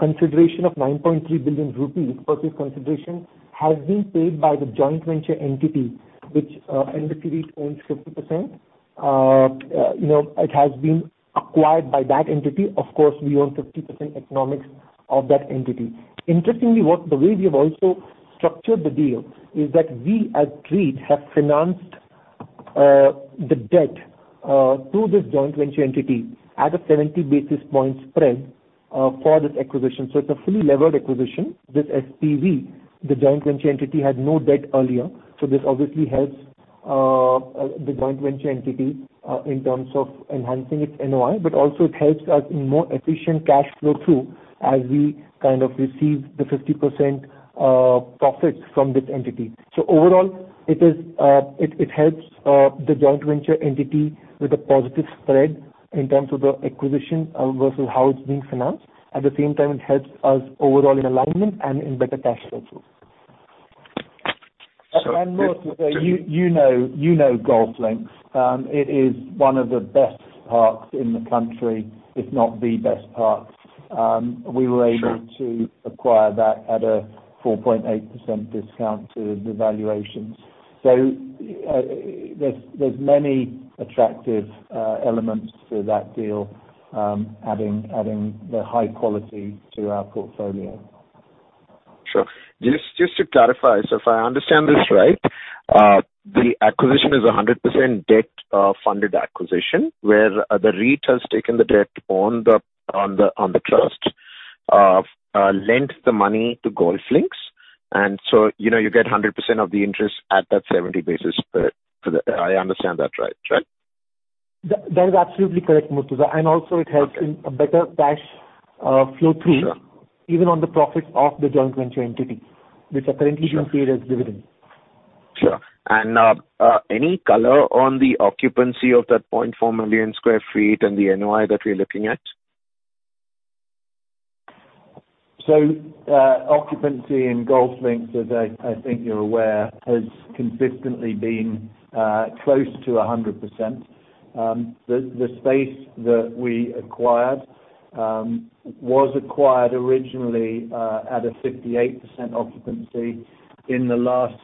consideration of 9.3 billion rupees purchase consideration has been paid by the joint venture entity, which the REIT owns 50%. You know, it has been acquired by that entity. Of course, we own 50% economics of that entity. Interestingly, the way we have also structured the deal is that we, as REIT, have financed the debt to this joint venture entity at a 70 basis point spread for this acquisition. It's a fully levered acquisition. This SPV, the joint venture entity, had no debt earlier, so this obviously helps the joint venture entity in terms of enhancing its NOI, but also it helps us in more efficient cash flow through as we kind of receive the 50% profits from this entity. Overall, it helps the joint venture entity with a positive spread in terms of the acquisition versus how it's being financed. At the same time, it helps us overall in alignment and in better cash flow too. Murtuza, you know GolfLinks. It is one of the best parks in the country, if not the best park. We were able- Sure. To acquire that at a 4.8% discount to the valuations. There's many attractive elements to that deal, adding the high quality to our portfolio. Sure. Just to clarify, if I understand this right, the acquisition is 100% debt funded acquisition, where the REIT has taken the debt on the trust, lent the money to GolfLinks. You know, you get 100% of the interest at that 70 basis spread for the. I understand that right? That is absolutely correct, Murtuza. Also it helps. Okay. In a better cash flow through- Sure. Even on the profits of the joint venture entity, which are currently being paid as dividends. Sure. Any color on the occupancy of that 0.4 million sq ft and the NOI that we're looking at? Occupancy in GolfLinks, as I think you're aware, has consistently been close to 100%. The space that we acquired was acquired originally at a 58% occupancy. In the last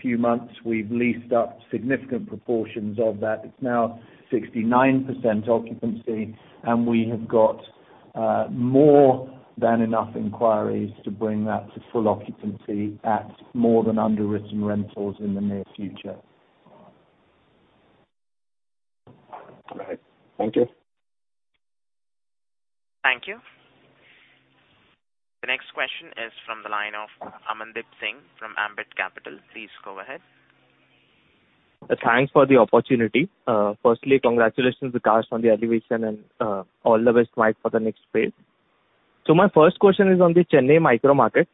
few months, we've leased up significant proportions of that. It's now 69% occupancy, and we have got more than enough inquiries to bring that to full occupancy at more than underwritten rentals in the near future. Great. Thank you. Thank you. The next question is from the line of Amandeep Singh from Ambit Capital. Please go ahead. Thanks for the opportunity. Firstly, congratulations, Vikaash, on the elevation and all the best, Michael, for the next phase. My first question is on the Chennai micro market.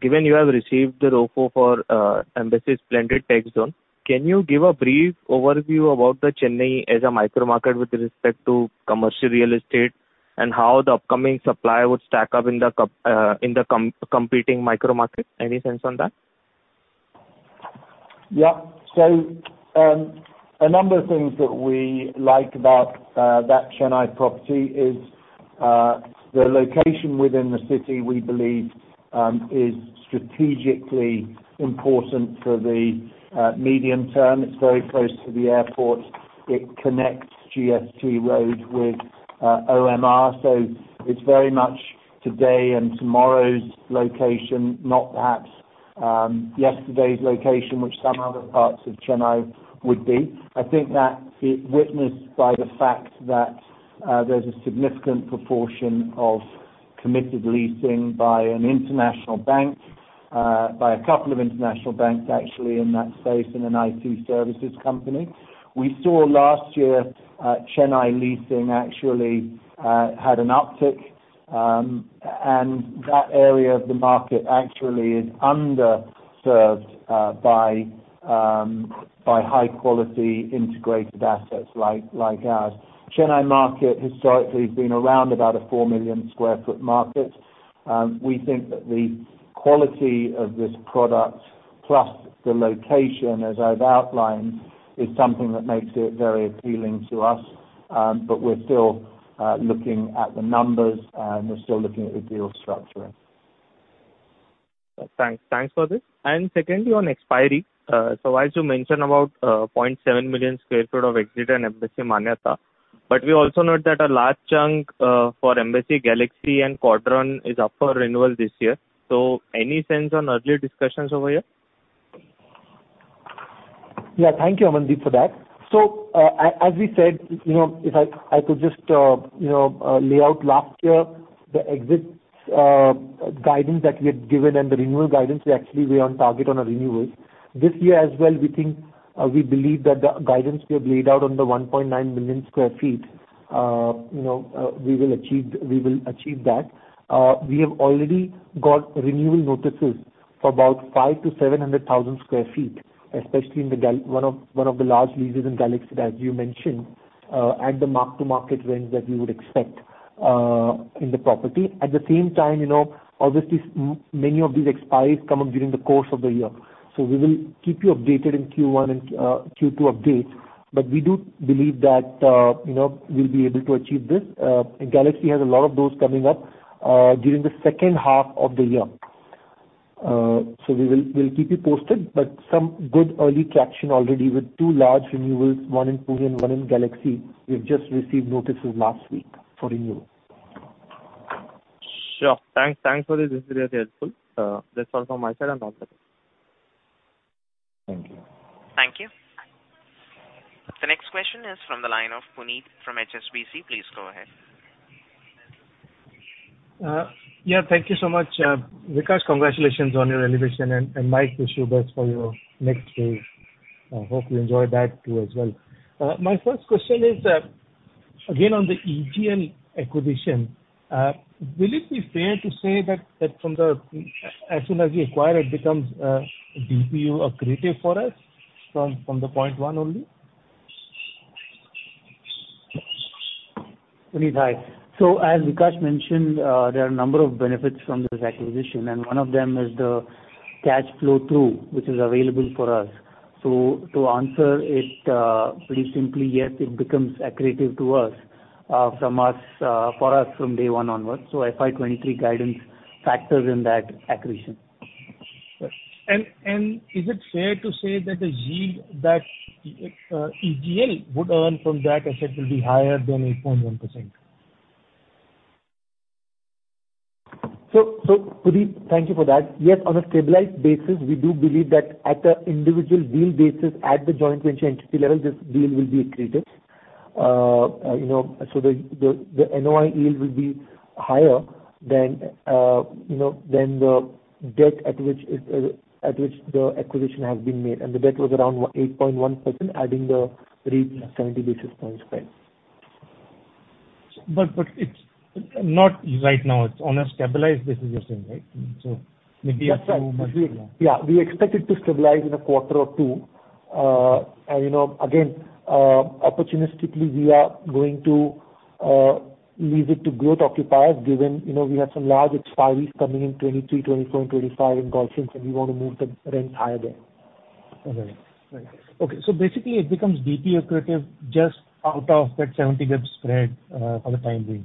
Given you have received the ROFO for Embassy's Splendid TechZone, can you give a brief overview about the Chennai as a micro market with respect to commercial real estate and how the upcoming supply would stack up in the competing micro market? Any sense on that? Yeah. A number of things that we like about that Chennai property is the location within the city, we believe, is strategically important for the medium term. It's very close to the airport. It connects GST Road with OMR, so it's very much today and tomorrow's location, not perhaps yesterday's location, which some other parts of Chennai would be. I think that is witnessed by the fact that there's a significant proportion of committed leasing by an international bank, by a couple of international banks actually in that space, and an IT services company. We saw last year, Chennai leasing actually had an uptick, and that area of the market actually is underserved by high quality integrated assets like ours. Chennai market historically has been around about a 4 million sq ft market. We think that the quality of this product plus the location, as I've outlined, is something that makes it very appealing to us. We're still looking at the numbers and we're still looking at the deal structuring. Thanks. Thanks for this. Secondly, on expiry, so as you mentioned about 0.7 million sq ft of expiry at Embassy Manyata. We also note that a large chunk for Embassy Galaxy and Quadron is up for renewal this year. Any sense on early discussions over here? Yeah. Thank you, Amandeep, for that. As we said, you know, if I could just, you know, lay out last year the exits, guidance that we had given and the renewal guidance, we actually were on target on our renewals. This year as well, we think, we believe that the guidance we have laid out on the 1.9 million sq ft, you know, we will achieve that. We have already got renewal notices for about 500,000-700,000 sq ft, especially in the Galaxy. One of the large leases in Galaxy, as you mentioned, at the mark-to-market rents that we would expect in the property. At the same time, you know, obviously so many of these expiries come up during the course of the year, so we will keep you updated in Q1 and Q2 updates. We do believe that, you know, we'll be able to achieve this. Galaxy has a lot of those coming up during the second half of the year. We'll keep you posted, but some good early traction already with two large renewals, one in Puravankara and one in Galaxy. We've just received notices last week for renewal. Sure. Thanks. Thanks for this. This is very helpful. That's all from my side and all set. Thank you. Thank you. The next question is from the line of Puneet from HSBC. Please go ahead. Yeah, thank you so much. Vikaash, congratulations on your elevation, and Michael, wish you best for your next phase. Hope you enjoy that too as well. My first question is, again, on the EGL acquisition. Will it be fair to say that as soon as we acquire it becomes DPU accretive for us from point one only? Puneet, hi. As Vikaash mentioned, there are a number of benefits from this acquisition, and one of them is the cash flow through which is available for us. To answer it, pretty simply, yes, it becomes accretive to us, from us, for us from day one onwards. FY 2023 guidance factors in that accretion. Is it fair to say that the yield that EGL would earn from that asset will be higher than 8.1%? Puneet, thank you for that. Yes, on a stabilized basis, we do believe that at the individual deal basis, at the joint venture entity level, this deal will be accretive. You know, the NOI yield will be higher than you know, than the debt at which the acquisition has been made and the debt was around 8.1%, adding the REIT 70 basis points spread. It's not right now. It's on a stabilized basis, you're saying, right? Maybe a few months from now. That's right. Yeah, we expect it to stabilize in a quarter or two. You know, again, opportunistically, we are going to lease it to growth occupiers given, you know, we have some large expiries coming in 2023, 2024, 2025 in GolfLinks and we want to move the rents higher there. All right. Okay. Basically it becomes DPU accretive just out of that 70 basis points spread, for the time being.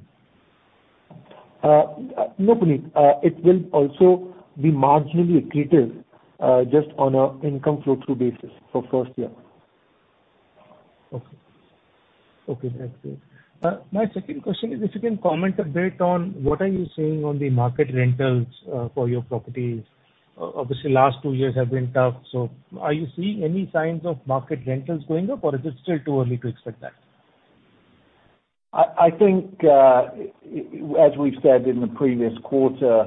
No, Puneet. It will also be marginally accretive, just on a income flow through basis for first year. Okay, that's it. My second question is if you can comment a bit on what are you seeing on the market rentals for your properties. Obviously, last two years have been tough. Are you seeing any signs of market rentals going up or is it still too early to expect that? I think, as we've said in the previous quarter,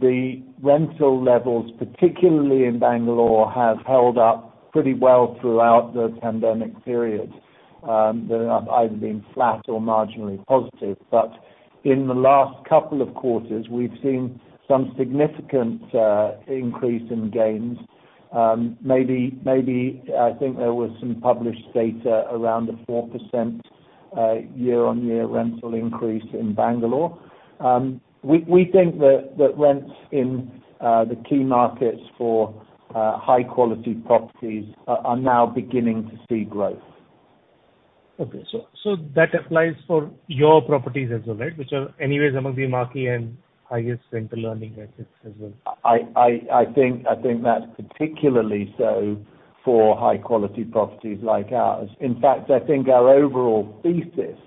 the rental levels, particularly in Bangalore, have held up pretty well throughout the pandemic period. They've either been flat or marginally positive. In the last couple of quarters we've seen some significant increase in gains. Maybe I think there was some published data around a 4% year-on-year rental increase in Bangalore. We think that rents in the key markets for high quality properties are now beginning to see growth. Okay. That applies for your properties as well, right? Which are anyways among the marquee and highest rental earning assets as well. I think that's particularly so for high quality properties like ours. In fact, I think our overall thesis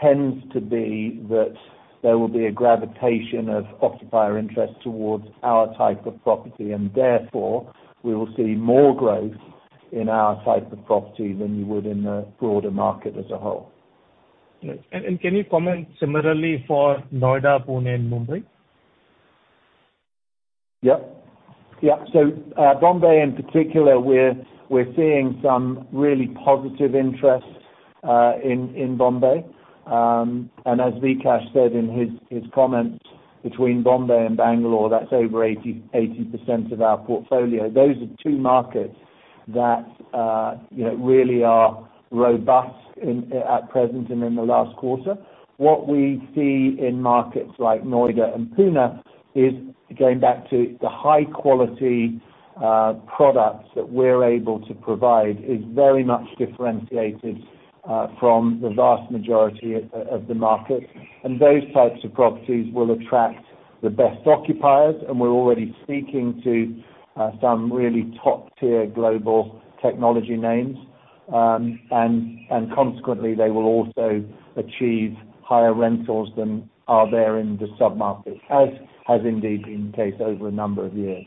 tends to be that there will be a gravitation of occupier interest towards our type of property, and therefore we will see more growth in our type of property than you would in the broader market as a whole. Right. Can you comment similarly for Noida, Pune, and Mumbai? Yeah. Bombay in particular, we're seeing some really positive interest in Bombay. As Vikaash said in his comments between Bombay and Bangalore, that's over 80% of our portfolio. Those are two markets that you know really are robust at present and in the last quarter. What we see in markets like Noida and Pune is going back to the high quality products that we're able to provide is very much differentiated from the vast majority of the market. Those types of properties will attract the best occupiers, and we're already speaking to some really top-tier global technology names. Consequently, they will also achieve higher rentals than are there in the sub-market, as has indeed been the case over a number of years.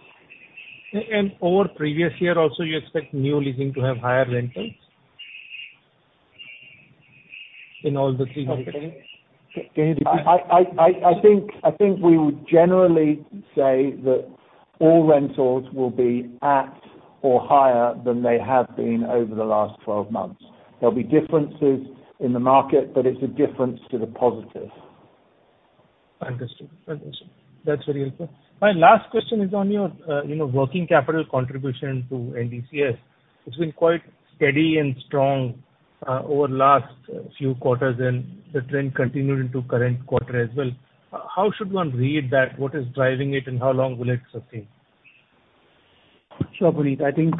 Over previous year also, you expect new leasing to have higher rentals? In all the three markets. Sorry. Can you repeat? I think we would generally say that all rentals will be at or higher than they have been over the last 12 months. There'll be differences in the market, but it's a difference to the positive. Understood. That's very helpful. My last question is on your, you know, working capital contribution to NDCS. It's been quite steady and strong over last few quarters, and the trend continued into current quarter as well. How should one read that? What is driving it, and how long will it sustain? Sure, Puneet. I think,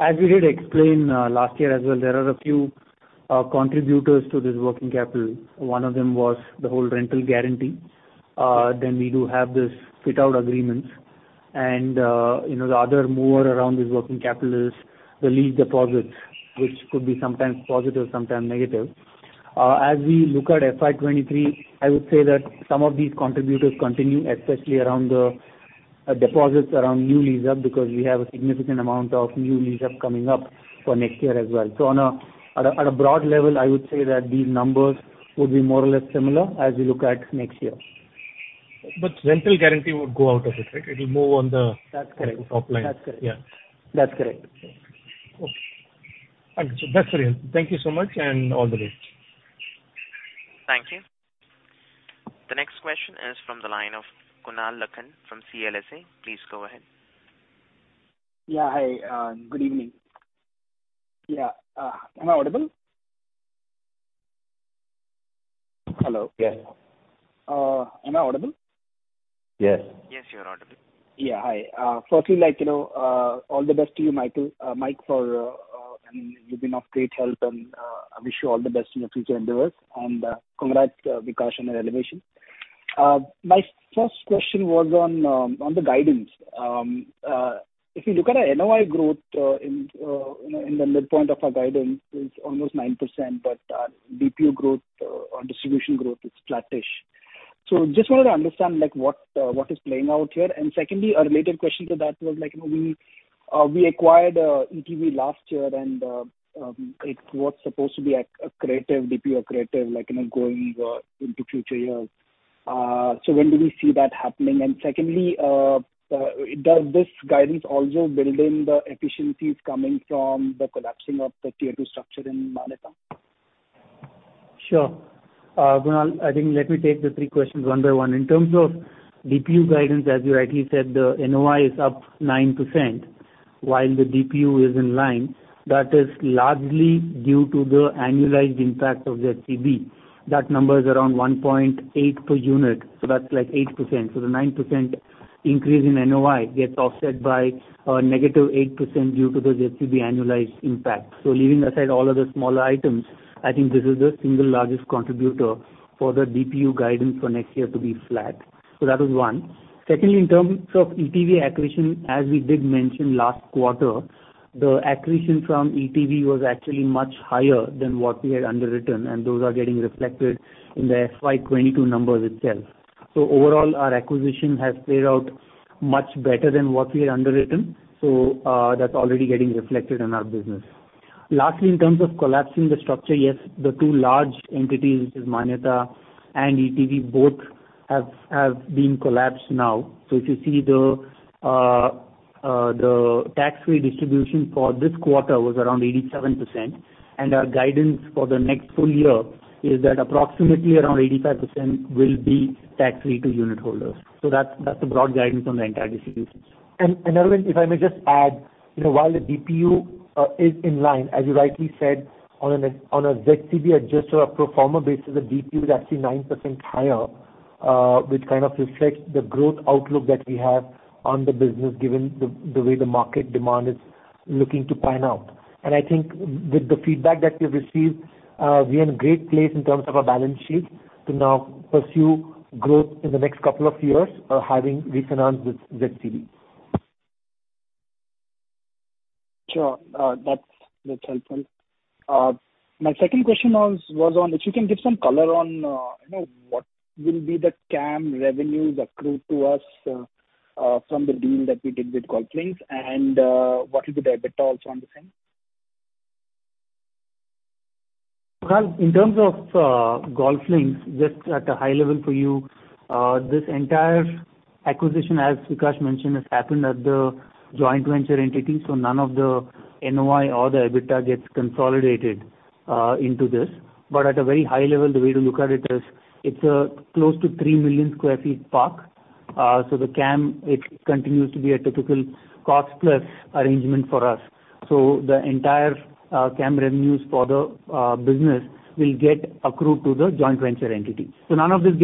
as we did explain, last year as well, there are a few contributors to this working capital. One of them was the whole rental guarantee. Then we do have this fit-out agreements. You know, the other driver around this working capital is the lease deposits, which could be sometimes positive, sometimes negative. As we look at FY 2023, I would say that some of these contributors continue, especially around the deposits around new lease-up, because we have a significant amount of new lease-up coming up for next year as well. So at a broad level, I would say that these numbers will be more or less similar as we look at next year. Rental guarantee would go out of it, right? It'll move on the That's correct. Top line. That's correct. Yeah. That's correct. Okay. Thank you, sir. That's very helpful. Thank you so much, and all the best. Thank you. The next question is from the line of Kunal Lakhan from CLSA. Please go ahead. Yeah, hi. Good evening. Yeah. Am I audible? Hello? Yes. Am I audible? Yes. Yes, you are audible. Yeah, hi. Firstly, like, you know, all the best to you, Michael, Mike, for, you've been of great help and, I wish you all the best in your future endeavors. Congrats, Vikaash, on your elevation. My first question was on the guidance. If you look at our NOI growth, you know, in the midpoint of our guidance is almost 9%, but DPU growth or distribution growth is flattish. Just wanted to understand, like, what is playing out here. Secondly, a related question to that was like, you know, we acquired ETV last year and it was supposed to be an accretive DPU or accretive, like, you know, going into future years. So when do we see that happening? Secondly, does this guidance also build in the efficiencies coming from the collapsing of the tier two structure in Manyata? Sure. Kunal, I think let me take the three questions one by one. In terms of DPU guidance, as you rightly said, the NOI is up 9% while the DPU is in line. That is largely due to the annualized impact of ZCB. That number is around 1.8 per unit, so that's like 8%. The 9% increase in NOI gets offset by negative 8% due to the ZCB annualized impact. Leaving aside all of the smaller items, I think this is the single largest contributor for the DPU guidance for next year to be flat. That is one. Secondly, in terms of ETV acquisition, as we did mention last quarter, the acquisition from ETV was actually much higher than what we had underwritten, and those are getting reflected in the FY 2022 numbers itself. Overall, our acquisition has played out much better than what we had underwritten. That's already getting reflected in our business. Lastly, in terms of collapsing the structure, yes, the two large entities, which is Manyata and ETV, both have been collapsed now. If you see the tax-free distribution for this quarter was around 87%. Our guidance for the next full-year is that approximately around 85% will be tax-free to unitholders. That's the broad guidance on the entire distributions. Aravind, if I may just add, you know, while the DPU is in line, as you rightly said, on a ZCB adjusted or pro forma basis, the DPU is actually 9% higher. Which kind of reflects the growth outlook that we have on the business, given the way the market demand is looking to pan out. I think with the feedback that we've received, we're in a great place in terms of our balance sheet to now pursue growth in the next couple of years, having refinanced with ZCB. Sure. That's helpful. My second question was on if you can give some color on, you know, what will be the CAM revenues accrued to us, from the deal that we did with GolfLinks, and what will be the EBITDA also on the same? Well, in terms of GolfLinks, just at a high level for you, this entire acquisition, as Vikaash mentioned, has happened at the joint venture entity, so none of the NOI or the EBITDA gets consolidated into this. At a very high level, the way to look at it is it's a close to 3 million sq ft park, so the CAM, it continues to be a typical cost plus arrangement for us. So the entire CAM revenues for the business will get accrued to the joint venture entity. So none of this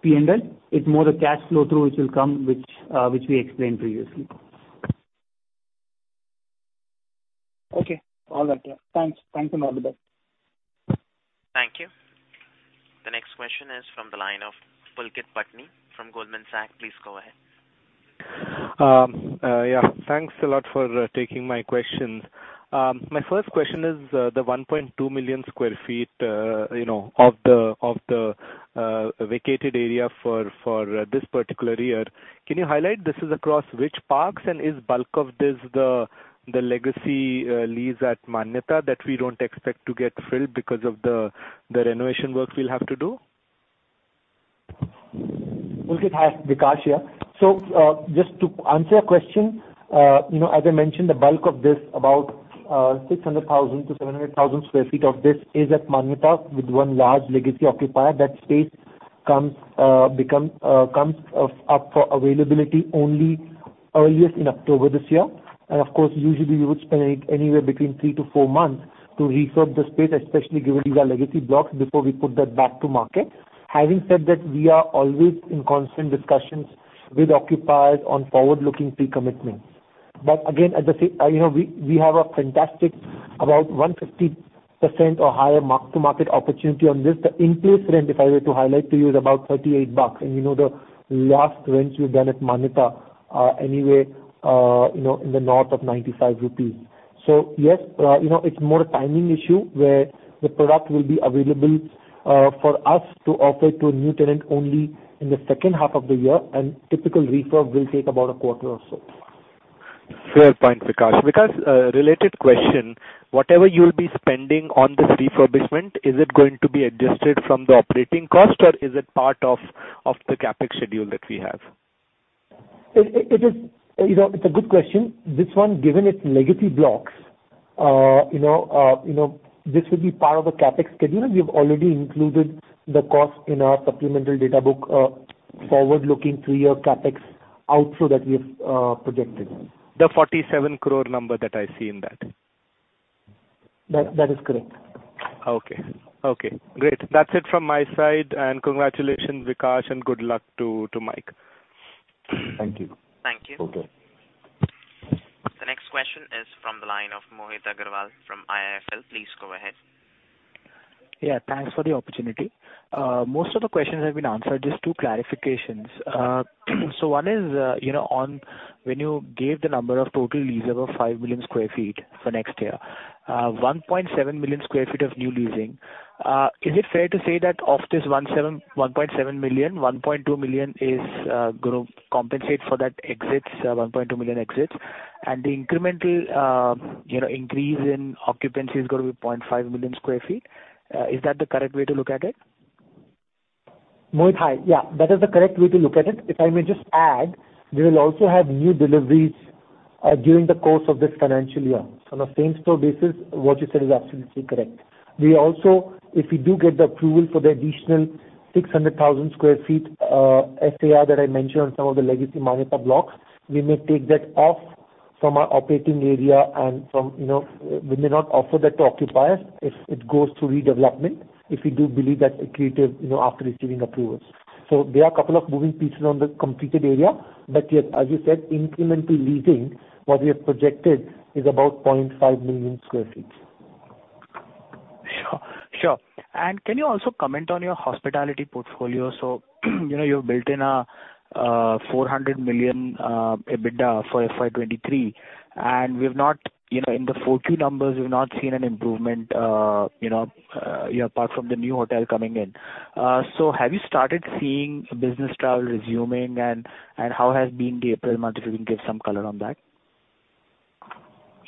gets reflected in our consolidated P&L. It's more the cash flow through which will come, which we explained previously. Okay. All right. Yeah. Thanks. Thanks, and all the best. Thank you. The next question is from the line of Pulkit Patni from Goldman Sachs. Please go ahead. Yeah, thanks a lot for taking my questions. My first question is the 1.2 million sq ft, you know, of the vacated area for this particular year. Can you highlight this is across which parks, and is bulk of this the legacy lease at Manyata that we don't expect to get filled because of the renovation work we'll have to do? Pulkit, hi. Vikaash here. Just to answer your question, you know, as I mentioned, the bulk of this, about 600,000-700,000 sq ft of this is at Manyata with one large legacy occupier. That space comes up for availability only earliest in October this year. Of course, usually we would spend anywhere between three to four months to refurb the space, especially given these are legacy blocks, before we put that back to market. Having said that, we are always in constant discussions with occupiers on forward-looking pre-commitments. Again, as I say, you know, we have a fantastic about 150% or higher mark-to-market opportunity on this. The in-place rent, if I were to highlight to you, is about INR 38. You know the last rents we've done at Manyata are anywhere, you know, in the north of 95 rupees. Yes, you know, it's more a timing issue, where the product will be available for us to offer to a new tenant only in the second half of the year, and typical refurb will take about a quarter or so. Fair point, Vikaash. Vikaash, related question. Whatever you'll be spending on this refurbishment, is it going to be adjusted from the operating cost, or is it part of the CapEx schedule that we have? It is. You know, it's a good question. This one, given it's legacy blocks, you know, this will be part of a CapEx schedule. We've already included the cost in our supplemental data book, forward-looking three-year CapEx outflow that we have projected. The 47 crore number that I see in that? That is correct. Okay. Okay, great. That's it from my side. Congratulations, Vikaash, and good luck to Michael. Thank you. Thank you. Okay. The next question is from the line of Mohit Agrawal from IIFL. Please go ahead. Yeah. Thanks for the opportunity. Most of the questions have been answered. Just two clarifications. So one is, you know, on when you gave the number of total lease of 5 million sq ft for next year, 1.7 million sq ft of new leasing. Is it fair to say that of this 1.7 million, 1.2 million is gonna compensate for that 1.2 million exits, and the incremental, you know, increase in occupancy is gonna be 0.5 million sq ft? Is that the correct way to look at it? Mohit, hi. Yeah, that is the correct way to look at it. If I may just add, we will also have new deliveries during the course of this financial year. On a same-store basis, what you said is absolutely correct. We also, if we do get the approval for the additional 600,000 sq ft SAR that I mentioned on some of the legacy Manyata blocks, we may take that off from our operating area and from, you know, we may not offer that to occupiers if it goes through redevelopment, if we do believe that's accretive, you know, after receiving approvals. There are a couple of moving pieces on the completed area, but yes, as you said, incremental leasing, what we have projected is about 0.5 million sq ft. Sure. Can you also comment on your hospitality portfolio? You know, you've built in 400 million EBITDA for FY 2023, and we've not, you know, in the FY 2022 numbers, we've not seen an improvement, you know, apart from the new hotel coming in. Have you started seeing business travel resuming, and how has the April month been? If you can give some color on that.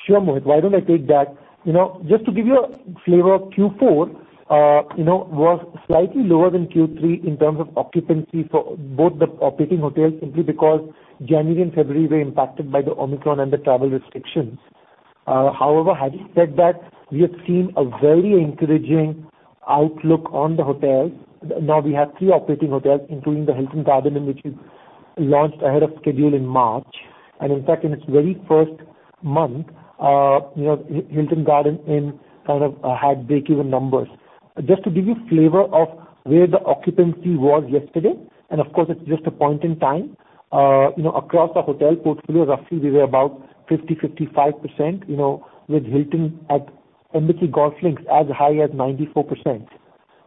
Sure, Mohit. Why don't I take that? You know, just to give you a flavor of Q4, you know, was slightly lower than Q3 in terms of occupancy for both the operating hotels, simply because January and February were impacted by the Omicron and the travel restrictions. However, having said that, we have seen a very encouraging outlook on the hotels. Now, we have three operating hotels, including the Hilton Garden Inn, in which we launched ahead of schedule in March. In fact, in its very first month, you know, Hilton Garden Inn kind of had break-even numbers. Just to give you a flavor of where the occupancy was yesterday, and of course, it's just a point in time, you know, across our hotel portfolio, roughly we were about 50-55%, you know, with Hilton at Embassy GolfLinks as high as 94%,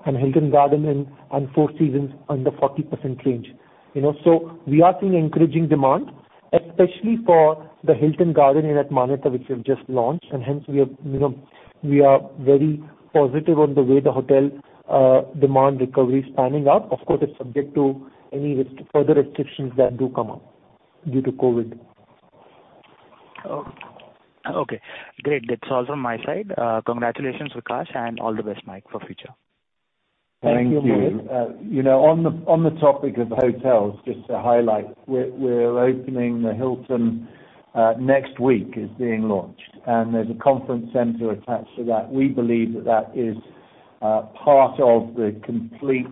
and Hilton Garden Inn and Four Seasons under 40% range, you know. We are seeing encouraging demand, especially for the Hilton Garden Inn at Manyata, which we've just launched. Hence we are, you know, very positive on the way the hotel demand recovery is panning out. Of course, it's subject to any further restrictions that do come up due to COVID. Okay, great. That's all from my side. Congratulations, Vikaash, and all the best, Michael, for future. Thank you. Thank you. You know, on the topic of hotels, just to highlight, we're opening the Hilton next week is being launched, and there's a conference center attached to that. We believe that is part of the complete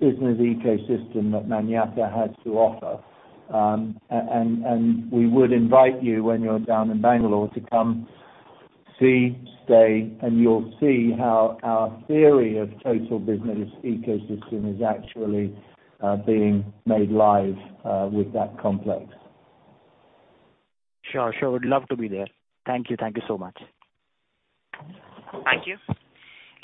business ecosystem that Manyata has to offer. We would invite you when you're down in Bangalore to come see, stay, and you'll see how our theory of total business ecosystem is actually being made live with that complex. Sure, sure. Would love to be there. Thank you. Thank you so much. Thank you.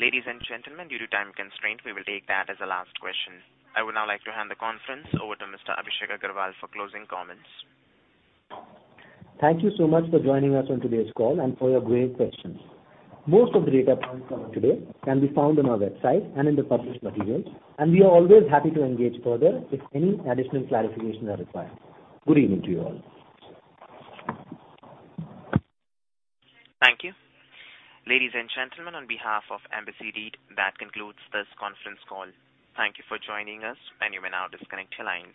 Ladies and gentlemen, due to time constraint, we will take that as a last question. I would now like to hand the conference over to Mr. Abhishek Agarwal for closing comments. Thank you so much for joining us on today's call and for your great questions. Most of the data points covered today can be found on our website and in the published materials, and we are always happy to engage further if any additional clarifications are required. Good evening to you all. Thank you. Ladies and gentlemen, on behalf of Embassy REIT, that concludes this conference call. Thank you for joining us, and you may now disconnect your lines.